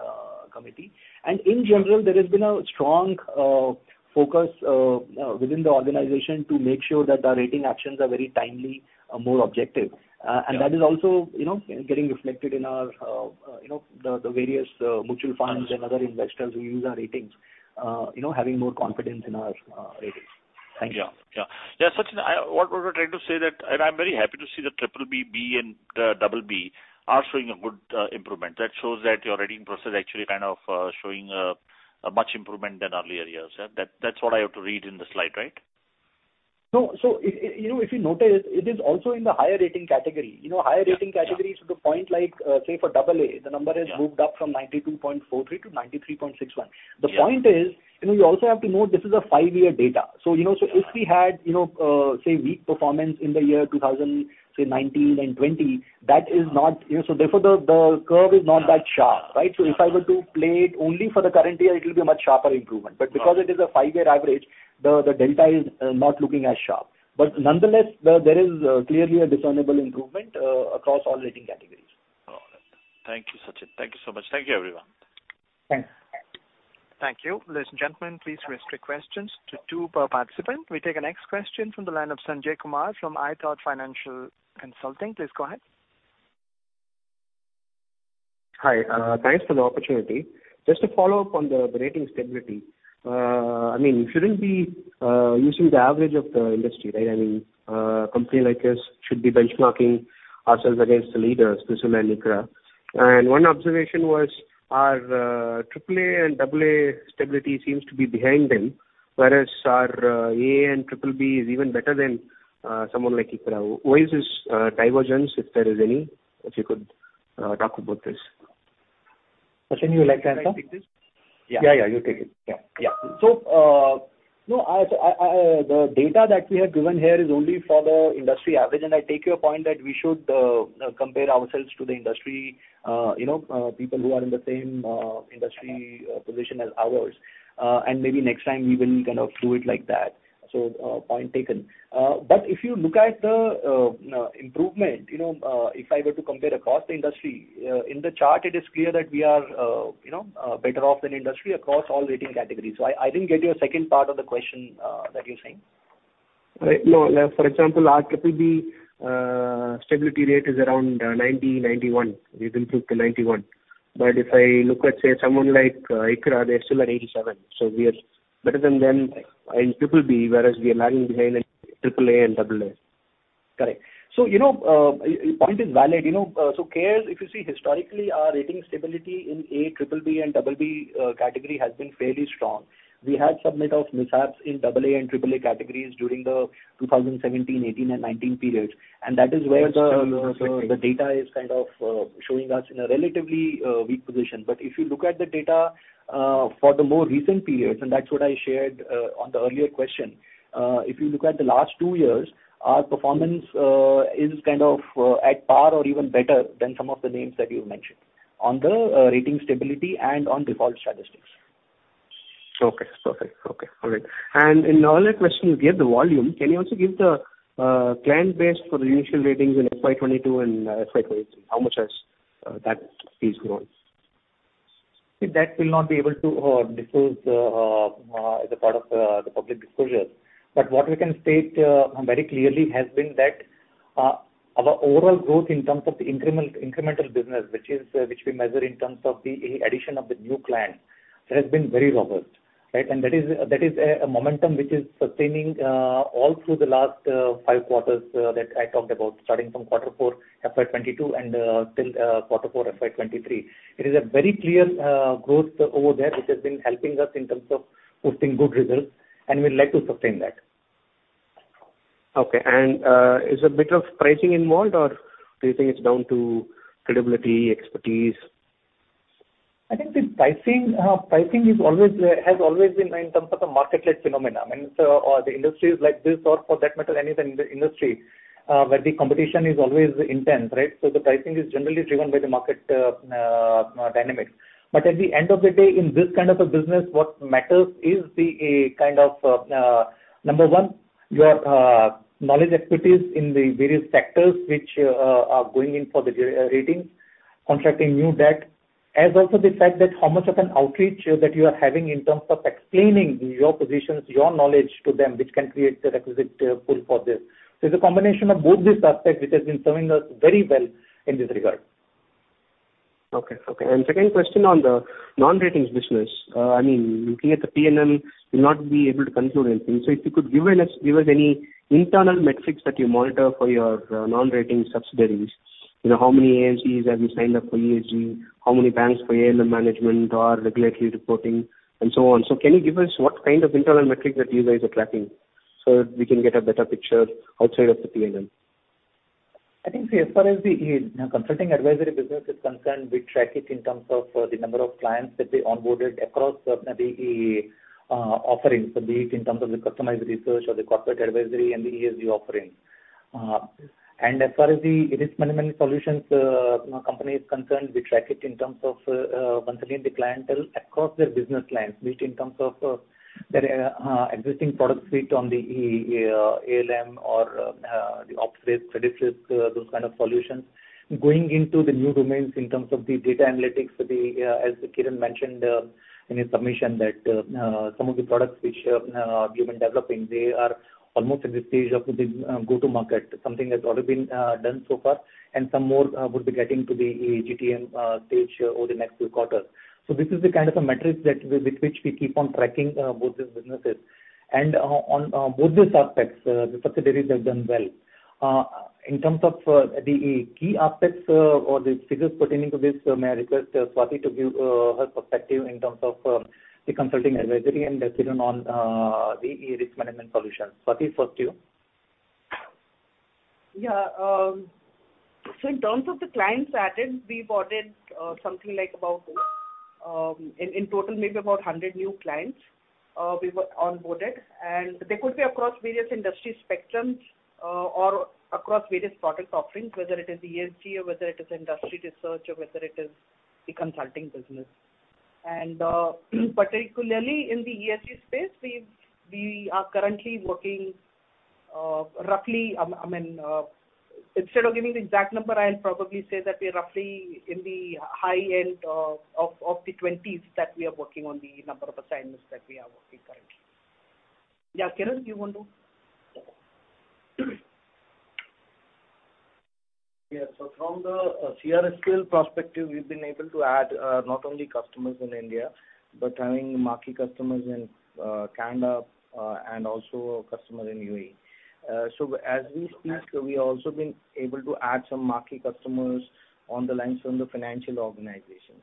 Committee. In general, there has been a strong focus within the organization to make sure that our rating actions are very timely, more objective. Yeah. And that is also, you know, getting reflected in our, you know, the various, mutual funds. Right. Other investors who use our ratings, you know, having more confidence in our ratings. Thank you. Yeah. Sachin, what we were trying to say that. I'm very happy to see the BBB, and BB are showing a good improvement. That shows that your rating process actually kind of showing a much improvement than earlier years. Yeah. That's what I have to read in the slide, right? You know, if you notice, it is also in the higher rating category. Yeah. The point like, say for AA the number has- Yeah.... moved up from 92.43-93.61. Yeah. The point is, you know, you also have to note this is a five-year data. you know, say weak performance in the year 2000, say 2019 and 2020. Uh-huh. You know, therefore the curve is not that sharp, right? If I were to play it only for the current year, it'll be a much sharper improvement. Uh-huh. Because it is a five-year average, the delta is not looking as sharp. Nonetheless there is clearly a discernible improvement across all rating categories. All right. Thank you, Sachin. Thank you so much. Thank you, everyone. Thanks. Thank you. Ladies and gentlemen, please restrict questions to two per participant. We take our next question from the line of Sanjay Kumar from iThought Financial Consulting. Please go ahead. Hi. Thanks for the opportunity. Just to follow up on the rating stability. I mean, shouldn't be using the average of the industry, right? I mean, company like us should be benchmarking ourselves against the leaders, CRISIL and ICRA. One observation was our triple A and double A stability seems to be behind them, whereas our A and BBB is even better than someone like ICRA. Why is this divergence, if there is any? If you could talk about this. Sachin, you would like to answer? Can I take this? Yeah. Yeah, you take it. Yeah. No, I—the data that we have given here is only for the industry average. I take your point that we should compare ourselves to the industry, you know, people who are in the same industry position as ours. Maybe next time we will kind of do it like that. Point taken. If you look at the improvement, you know, if I were to compare across the industry, in the chart it is clear that we are better off than industry across all rating categories. I didn't get your second part of the question that you're saying. Right. No. Like for example, our BBB stability rate is around 91. We've improved to 91. If I look at, say, someone like ICRA, they're still at 87. We are better than them in BBB, whereas we are lagging behind in triple A and double A. Correct. You know, your point is valid. You know, CARE, if you see historically our rating stability in A, BBB and BB category has been fairly strong. We had some bit of mishaps in double A and triple A categories during the 2017, 2018 and 2019 periods. That is where. Yes. The data is kind of showing us in a relatively weak position. If you look at the data for the more recent periods, and that's what I shared on the earlier question. If you look at the last two years, our performance is kind of at par or even better than some of the names that you mentioned on the rating stability and on default statistics. Okay. Perfect. Okay. All right. In all that question, you gave the volume. Can you also give the client base for the initial ratings in FY 2022 and FY 2023? How much has that piece grown? That will not be able to disclose, as a part of the public disclosures. What we can state very clearly has been that our overall growth in terms of the incremental business, which we measure in terms of the addition of the new clients, that has been very robust, right. That is a momentum which is sustaining all through the last five quarters that I talked about, starting from Q4 FY 2022 and till Q4 FY 2023. It is a very clear growth over there, which has been helping us in terms of posting good results, and we'd like to sustain that. Okay. Is a bit of pricing involved or do you think it's down to credibility, expertise? I think the pricing is always, has always been in terms of a market-led phenomenon. The industries like this or for that matter, anything in the industry, where the competition is always intense, right? The pricing is generally driven by the market dynamics. At the end of the day, in this kind of a business, what matters is the kind of number one, your knowledge expertise in the various sectors which are going in for the re-ratings, contracting new debt, as also the fact that how much of an outreach that you are having in terms of explaining your positions, your knowledge to them, which can create the requisite pull for this. It's a combination of both these aspects which has been serving us very well in this regard. Okay. Okay. Second question on the non-ratings business. I mean, looking at the P&L will not be able to conclude anything. If you could give us any internal metrics that you monitor for your non-ratings subsidiaries. You know, how many AMCs have you signed up for ESG, how many banks for ALM management or regulatory reporting and so on. Can you give us what kind of internal metrics that you guys are tracking so we can get a better picture outside of the P&L? I think as far as the consulting advisory business is concerned, we track it in terms of the number of clients that we onboarded across the offerings, be it in terms of the customized research or the corporate advisory and the ESG offerings. As far as the risk management solutions company is concerned, we track it in terms of once again, the clientele across their business lines, be it in terms of their existing product suite on the ALM or the op risk, credit risk, those kind of solutions. Going into the new domains in terms of the data analytics, as Kiran mentioned in his submission that some of the products which we've been developing, they are almost at the stage of the go-to market. Something has already been done so far, and some more would be getting to the GTM stage over the next few quarters. This is the kind of a metrics that with which we keep on tracking both these businesses. On both these aspects, the subsidiaries have done well. In terms of the key aspects or the figures pertaining to this, may I request Swati to give her perspective in terms of the consulting advisory and Kiran on the risk management solutions. Swati, first you. Yeah. In terms of the clients added, we boarded something like about in total, maybe about 100 new clients, we onboarded. They could be across various industry spectrums or across various product offerings, whether it is ESG or whether it is industry research or whether it is the consulting business. Particularly in the ESG space, we are currently working roughly, I mean, instead of giving the exact number, I'll probably say that we're roughly in the high end of, of the 20s that we are working on the number of assignments that we are working currently. Yeah. Kiran, do you want to? Yeah. From the CRS skill perspective, we've been able to add not only customers in India, but having marquee customers in Canada and also customers in UAE. As we speak, we also been able to add some marquee customers on the lines from the financial organizations.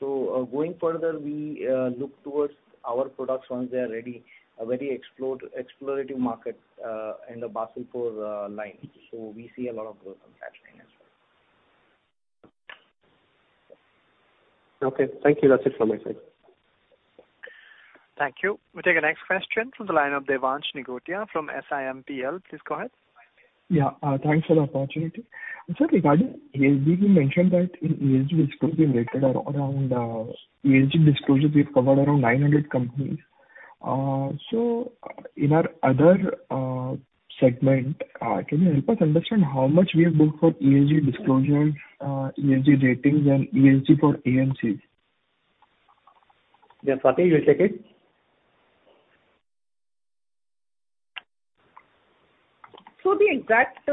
Going further, we look towards our products once they are ready, a very explorative market in the Basel IV line. We see a lot of growth on that line as well. Okay. Thank you. That's it from my side. Thank you. We take the next question from the line of Devansh Nigotia from SIMPL. Please go ahead. Yeah. Thanks for the opportunity. Sir, regarding ESG, you mentioned that in ESG disclosure, we rated around ESG disclosures, we've covered around 900 companies. In our other segment, can you help us understand how much we have booked for ESG disclosures, ESG ratings and ESG for AMCs? Yeah. Swati, you take it. The exact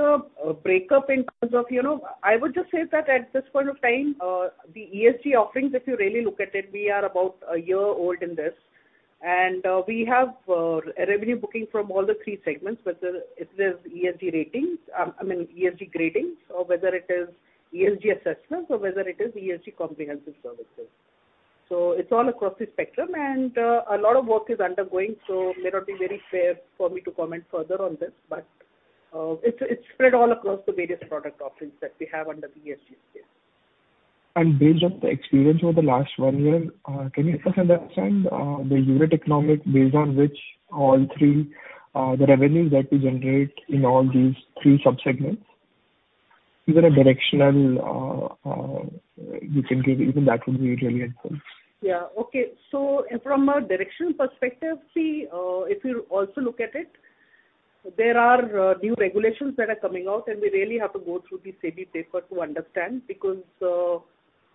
breakup in terms of, you know, I would just say that at this point of time, the ESG offerings, if you really look at it, we are about a year old in this. We have revenue booking from all the three segments, whether it is ESG ratings, I mean ESG gradings, or whether it is ESG assessments or whether it is ESG comprehensive services. It's all across the spectrum, a lot of work is undergoing, so may not be very fair for me to comment further on this, but it's spread all across the various product offerings that we have under the ESG space. Based on the experience over the last one year, can you help us understand, the unit economics based on which all 3, the revenues that you generate in all these 3 sub-segments? Even a directional, you can give, even that would be really helpful. Yeah. Okay. From a directional perspective, see, if you also look at it, there are new regulations that are coming out, and we really have to go through the SEBI paper to understand.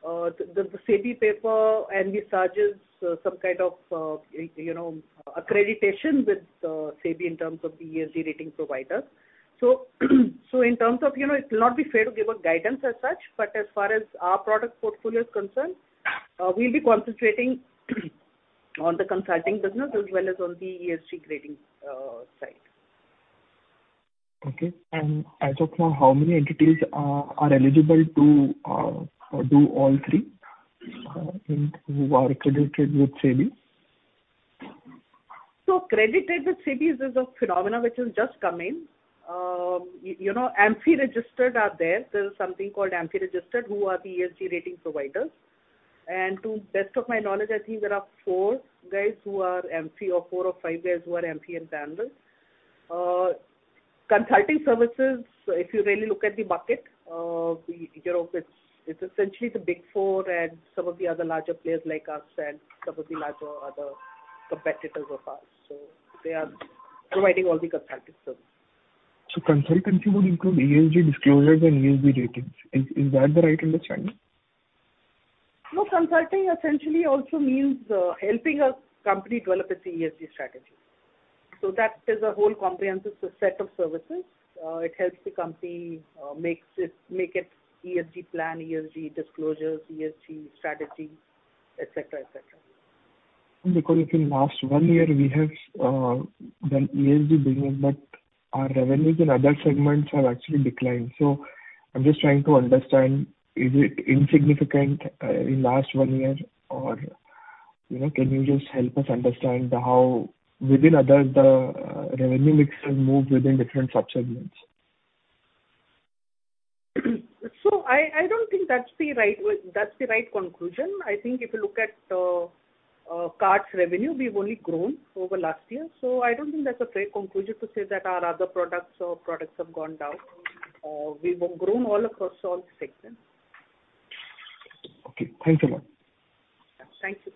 The SEBI paper and the charges, some kind of, you know, accreditation with SEBI in terms of the ESG rating provider. In terms of, you know, it will not be fair to give a guidance as such, but as far as our product portfolio is concerned, we'll be concentrating on the consulting business as well as on the ESG grading side. Okay. As of now, how many entities are eligible to, do all three, and who are accredited with SEBI? Accredited with SEBI is a phenomenon which has just come in. You know, AMFI registered are there. There's something called AMFI registered who are the ESG rating providers. To best of my knowledge, I think there are four guys who are AMFI or four or five guys who are AMFI and panel. Consulting services, if you really look at the market, you know, it's essentially the big four and some of the other larger players like us and some of the larger other competitors of ours. They are providing all the consulting services. Consultancy would include ESG disclosures and ESG ratings. Is that the right understanding? No. Consulting essentially also means helping a company develop its ESG strategy. That is a whole comprehensive set of services. It helps the company make its ESG plan, ESG disclosures, ESG strategy, et cetera. In last 1 year we have done ESG business, but our revenues in other segments have actually declined. I'm just trying to understand, is it insignificant in last one year or, you know, can you just help us understand the how within other the revenue mix has moved within different subsegments? I don't think that's the right conclusion. I think if you look at CART's revenue, we've only grown over last year. I don't think that's a fair conclusion to say that our other products or products have gone down. We've grown all across all the segments. Okay. Thank you, ma'am. Thank you.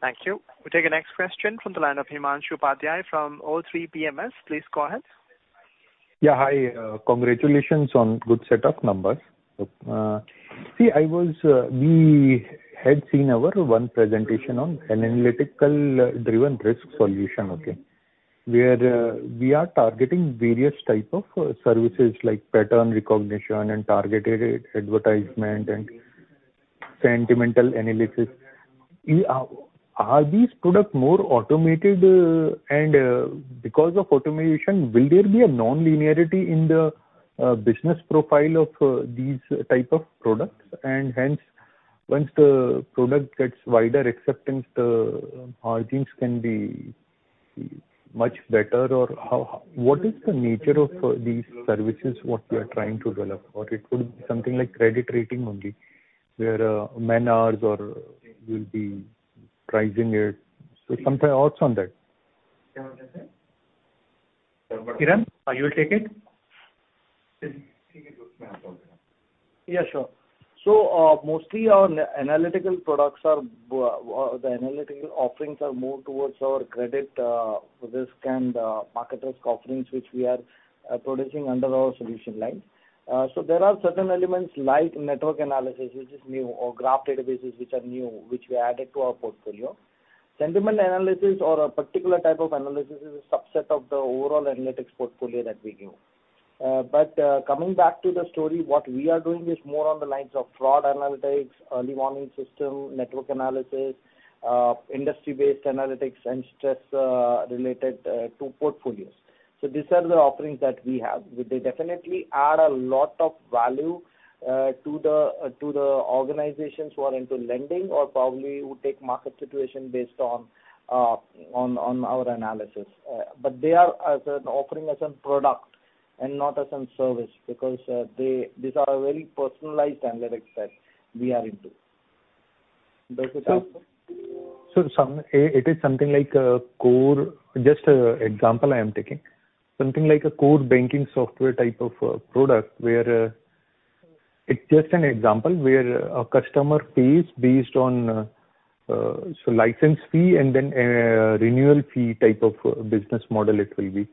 Thank you. We take the next question from the line of Himanshu Upadhyay from 03 PMS. Please go ahead. Yeah. Hi. Congratulations on good set of numbers. See, I was, we had seen our one presentation on an analytical driven risk solution, okay? Where, we are targeting various type of services like pattern recognition and targeted advertisement and sentimental analysis. Are these products more automated? Because of automation, will there be a nonlinearity in the business profile of these type of products and hence once the product gets wider acceptance, the margins can be much better? Or how—what is the nature of these services what you are trying to develop? Or it could be something like credit rating only where, man-hours or you'll be pricing it. Some thoughts on that. Kiran, are you will take it? Yeah, sure. Mostly our analytical products are, or the analytical offerings are more towards our credit risk and market risk offerings, which we are producing under our solution line. There are certain elements like network analysis, which is new, or graph databases which are new, which we added to our portfolio. Sentiment analysis or a particular type of analysis is a subset of the overall analytics portfolio that we give. Coming back to the story, what we are doing is more on the lines of fraud analytics, early warning system, network analysis, industry-based analytics and stress related to portfolios. These are the offerings that we have. They definitely add a lot of value, to the organizations who are into lending or probably would take market situation based on our analysis. They are as an offering, as a product and not as a service because these are a very personalized analytics that we are into. Does it answer? It is something like a core. Just an example I am taking. Something like a core banking software type of a product where, it's just an example where a customer pays based on license fee and then a renewal fee type of business model it will be. would be...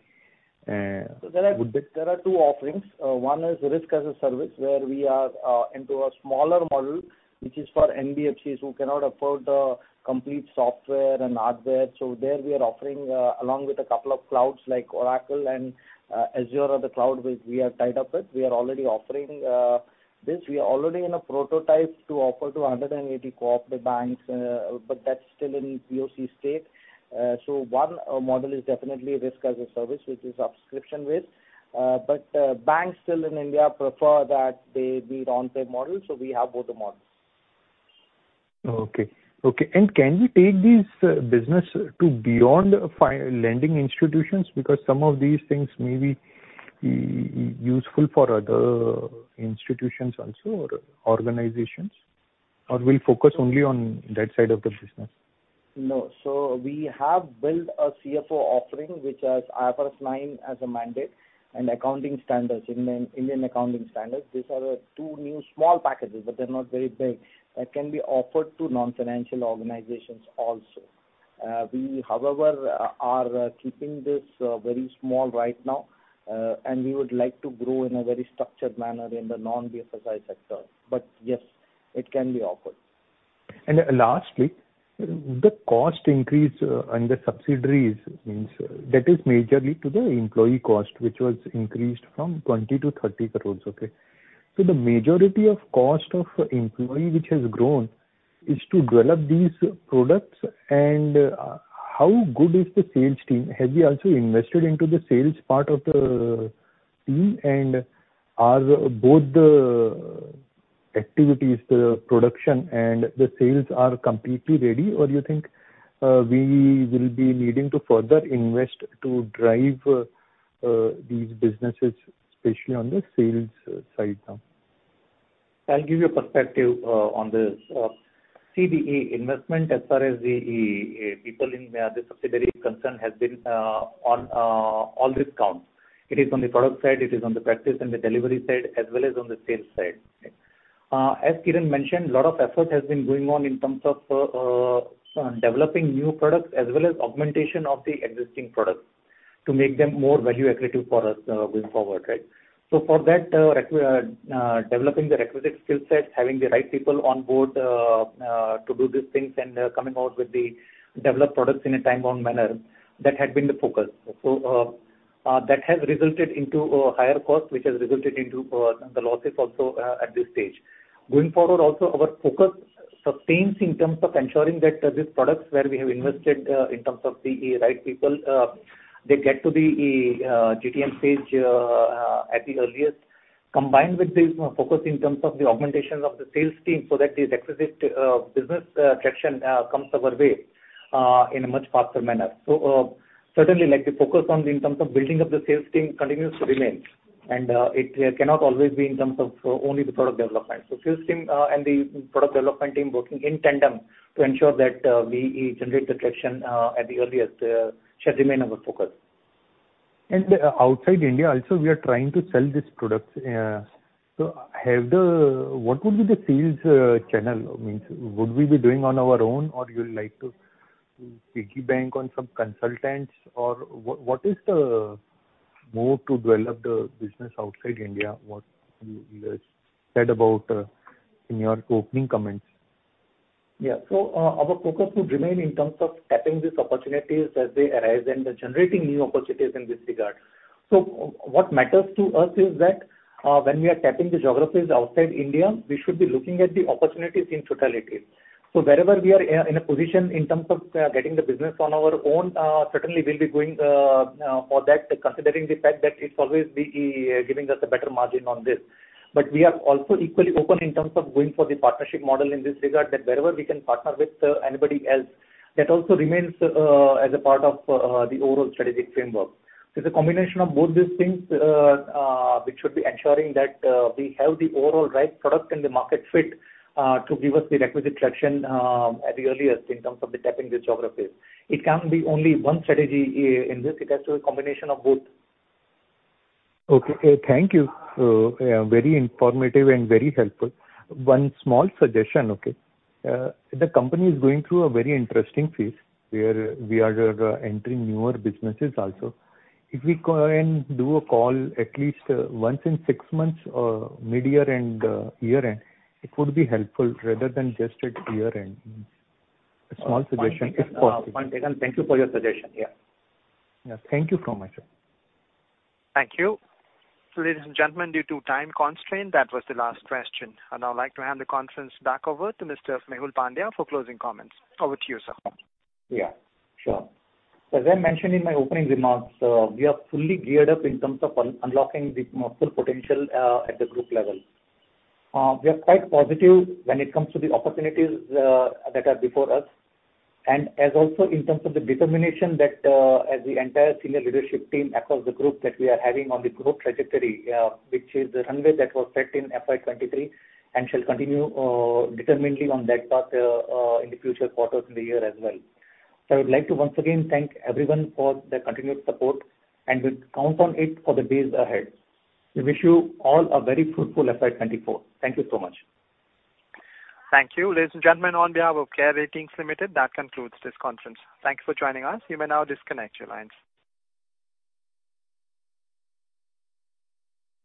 There are two offerings. One is risk as a service where we are into a smaller model, which is for NBFCs who cannot afford the complete software and hardware. There we are offering along with a couple of clouds like Oracle and Azure or the cloud which we are tied up with. We are already offering this. We are already in a prototype to offer to 180 co-op banks, but that's still in POC state. One model is definitely risk as a service, which is subscription based. Banks still in India prefer that they be one-time model. We have both the models. Okay. Okay. Can we take these, business to beyond lending institutions? Because some of these things may be useful for other institutions also or organizations, or we'll focus only on that side of the business? No. We have built a Chief Financial Officer offering, which has IFRS 9 as a mandate and accounting standards, Indian accounting standards. These are two new small packages, but they're not very big, that can be offered to non-financial organizations also. We, however, are keeping this very small right now, and we would like to grow in a very structured manner in the non-BFSI sector. Yes, it can be offered. Lastly, the cost increase and the subsidiaries means that is majorly to the employee cost, which was increased from 20 crore-30 crore, okay. The majority of cost of employee which has grown is to develop these products. How good is the sales team? Have you also invested into the sales part of the team? Are both the activities, the production and the sales are completely ready, or you think, we will be needing to further invest to drive these businesses, especially on the sales side now? I'll give you a perspective on this. CBE investment as far as the people in the subsidiary concerned has been on all discounts. It is on the product side, it is on the practice and the delivery side as well as on the sales side. As Kiran mentioned, a lot of effort has been going on in terms of developing new products as well as augmentation of the existing products to make them more value accretive for us going forward, right? For that, developing the requisite skill set, having the right people on board to do these things and coming out with the developed products in a time-bound manner, that had been the focus. That has resulted into a higher cost, which has resulted into the losses also at this stage. Going forward, also our focus sustains in terms of ensuring that these products where we have invested, in terms of the right people, they get to the, GTM stage, at the earliest, combined with the focus in terms of the augmentation of the sales team, so that the requisite, business, traction, comes our way, in a much faster manner. Certainly, like the focus on in terms of building up the sales team continues to remain, and, it cannot always be in terms of only the product development. Sales team, and the product development team working in tandem to ensure that, we generate the traction, at the earliest, shall remain our focus. Outside India also, we are trying to sell these products. What would be the sales channel? Means would we be doing on our own or you would like to piggybank on some consultants or what is the move to develop the business outside India? What you said about in your opening comments. Yeah. Our focus would remain in terms of tapping these opportunities as they arise and generating new opportunities in this regard. What matters to us is that when we are tapping the geographies outside India, we should be looking at the opportunities in totality. Wherever we are in a position in terms of getting the business on our own, certainly we'll be going for that, considering the fact that it's always be giving us a better margin on this. We are also equally open in terms of going for the partnership model in this regard, that wherever we can partner with anybody else, that also remains as a part of the overall strategic framework. It's a combination of both these things, which should be ensuring that we have the overall right product and the market fit, to give us the requisite traction, at the earliest in terms of the tapping the geographies. It can't be only one strategy in this. It has to be a combination of both. Okay. Thank you. Very informative and very helpful. One small suggestion, okay. The company is going through a very interesting phase where we are entering newer businesses also. If we go and do a call at least once in six months, mid-year and year-end, it would be helpful rather than just at year-end. A small suggestion if possible. Point taken. Thank you for your suggestion. Yeah. Yes, thank you so much, sir. Thank you. Ladies and gentlemen, due to time constraint, that was the last question. I'd now like to hand the conference back over to Mr. Mehul Pandya for closing comments. Over to you, sir. Yeah, sure. As I mentioned in my opening remarks, we are fully geared up in terms of unlocking the full potential at the group level. We are quite positive when it comes to the opportunities that are before us and as also in terms of the determination that as the entire senior leadership team across the group that we are having on the group trajectory, which is the runway that was set in FY 2023 and shall continue determinedly on that path in the future quarters in the year as well. I would like to once again thank everyone for their continued support and we count on it for the days ahead. We wish you all a very fruitful FY 2024. Thank you so much. Thank you. Ladies and gentlemen, on behalf of CARE Ratings Limited, that concludes this conference. Thank you for joining us. You may now disconnect your lines.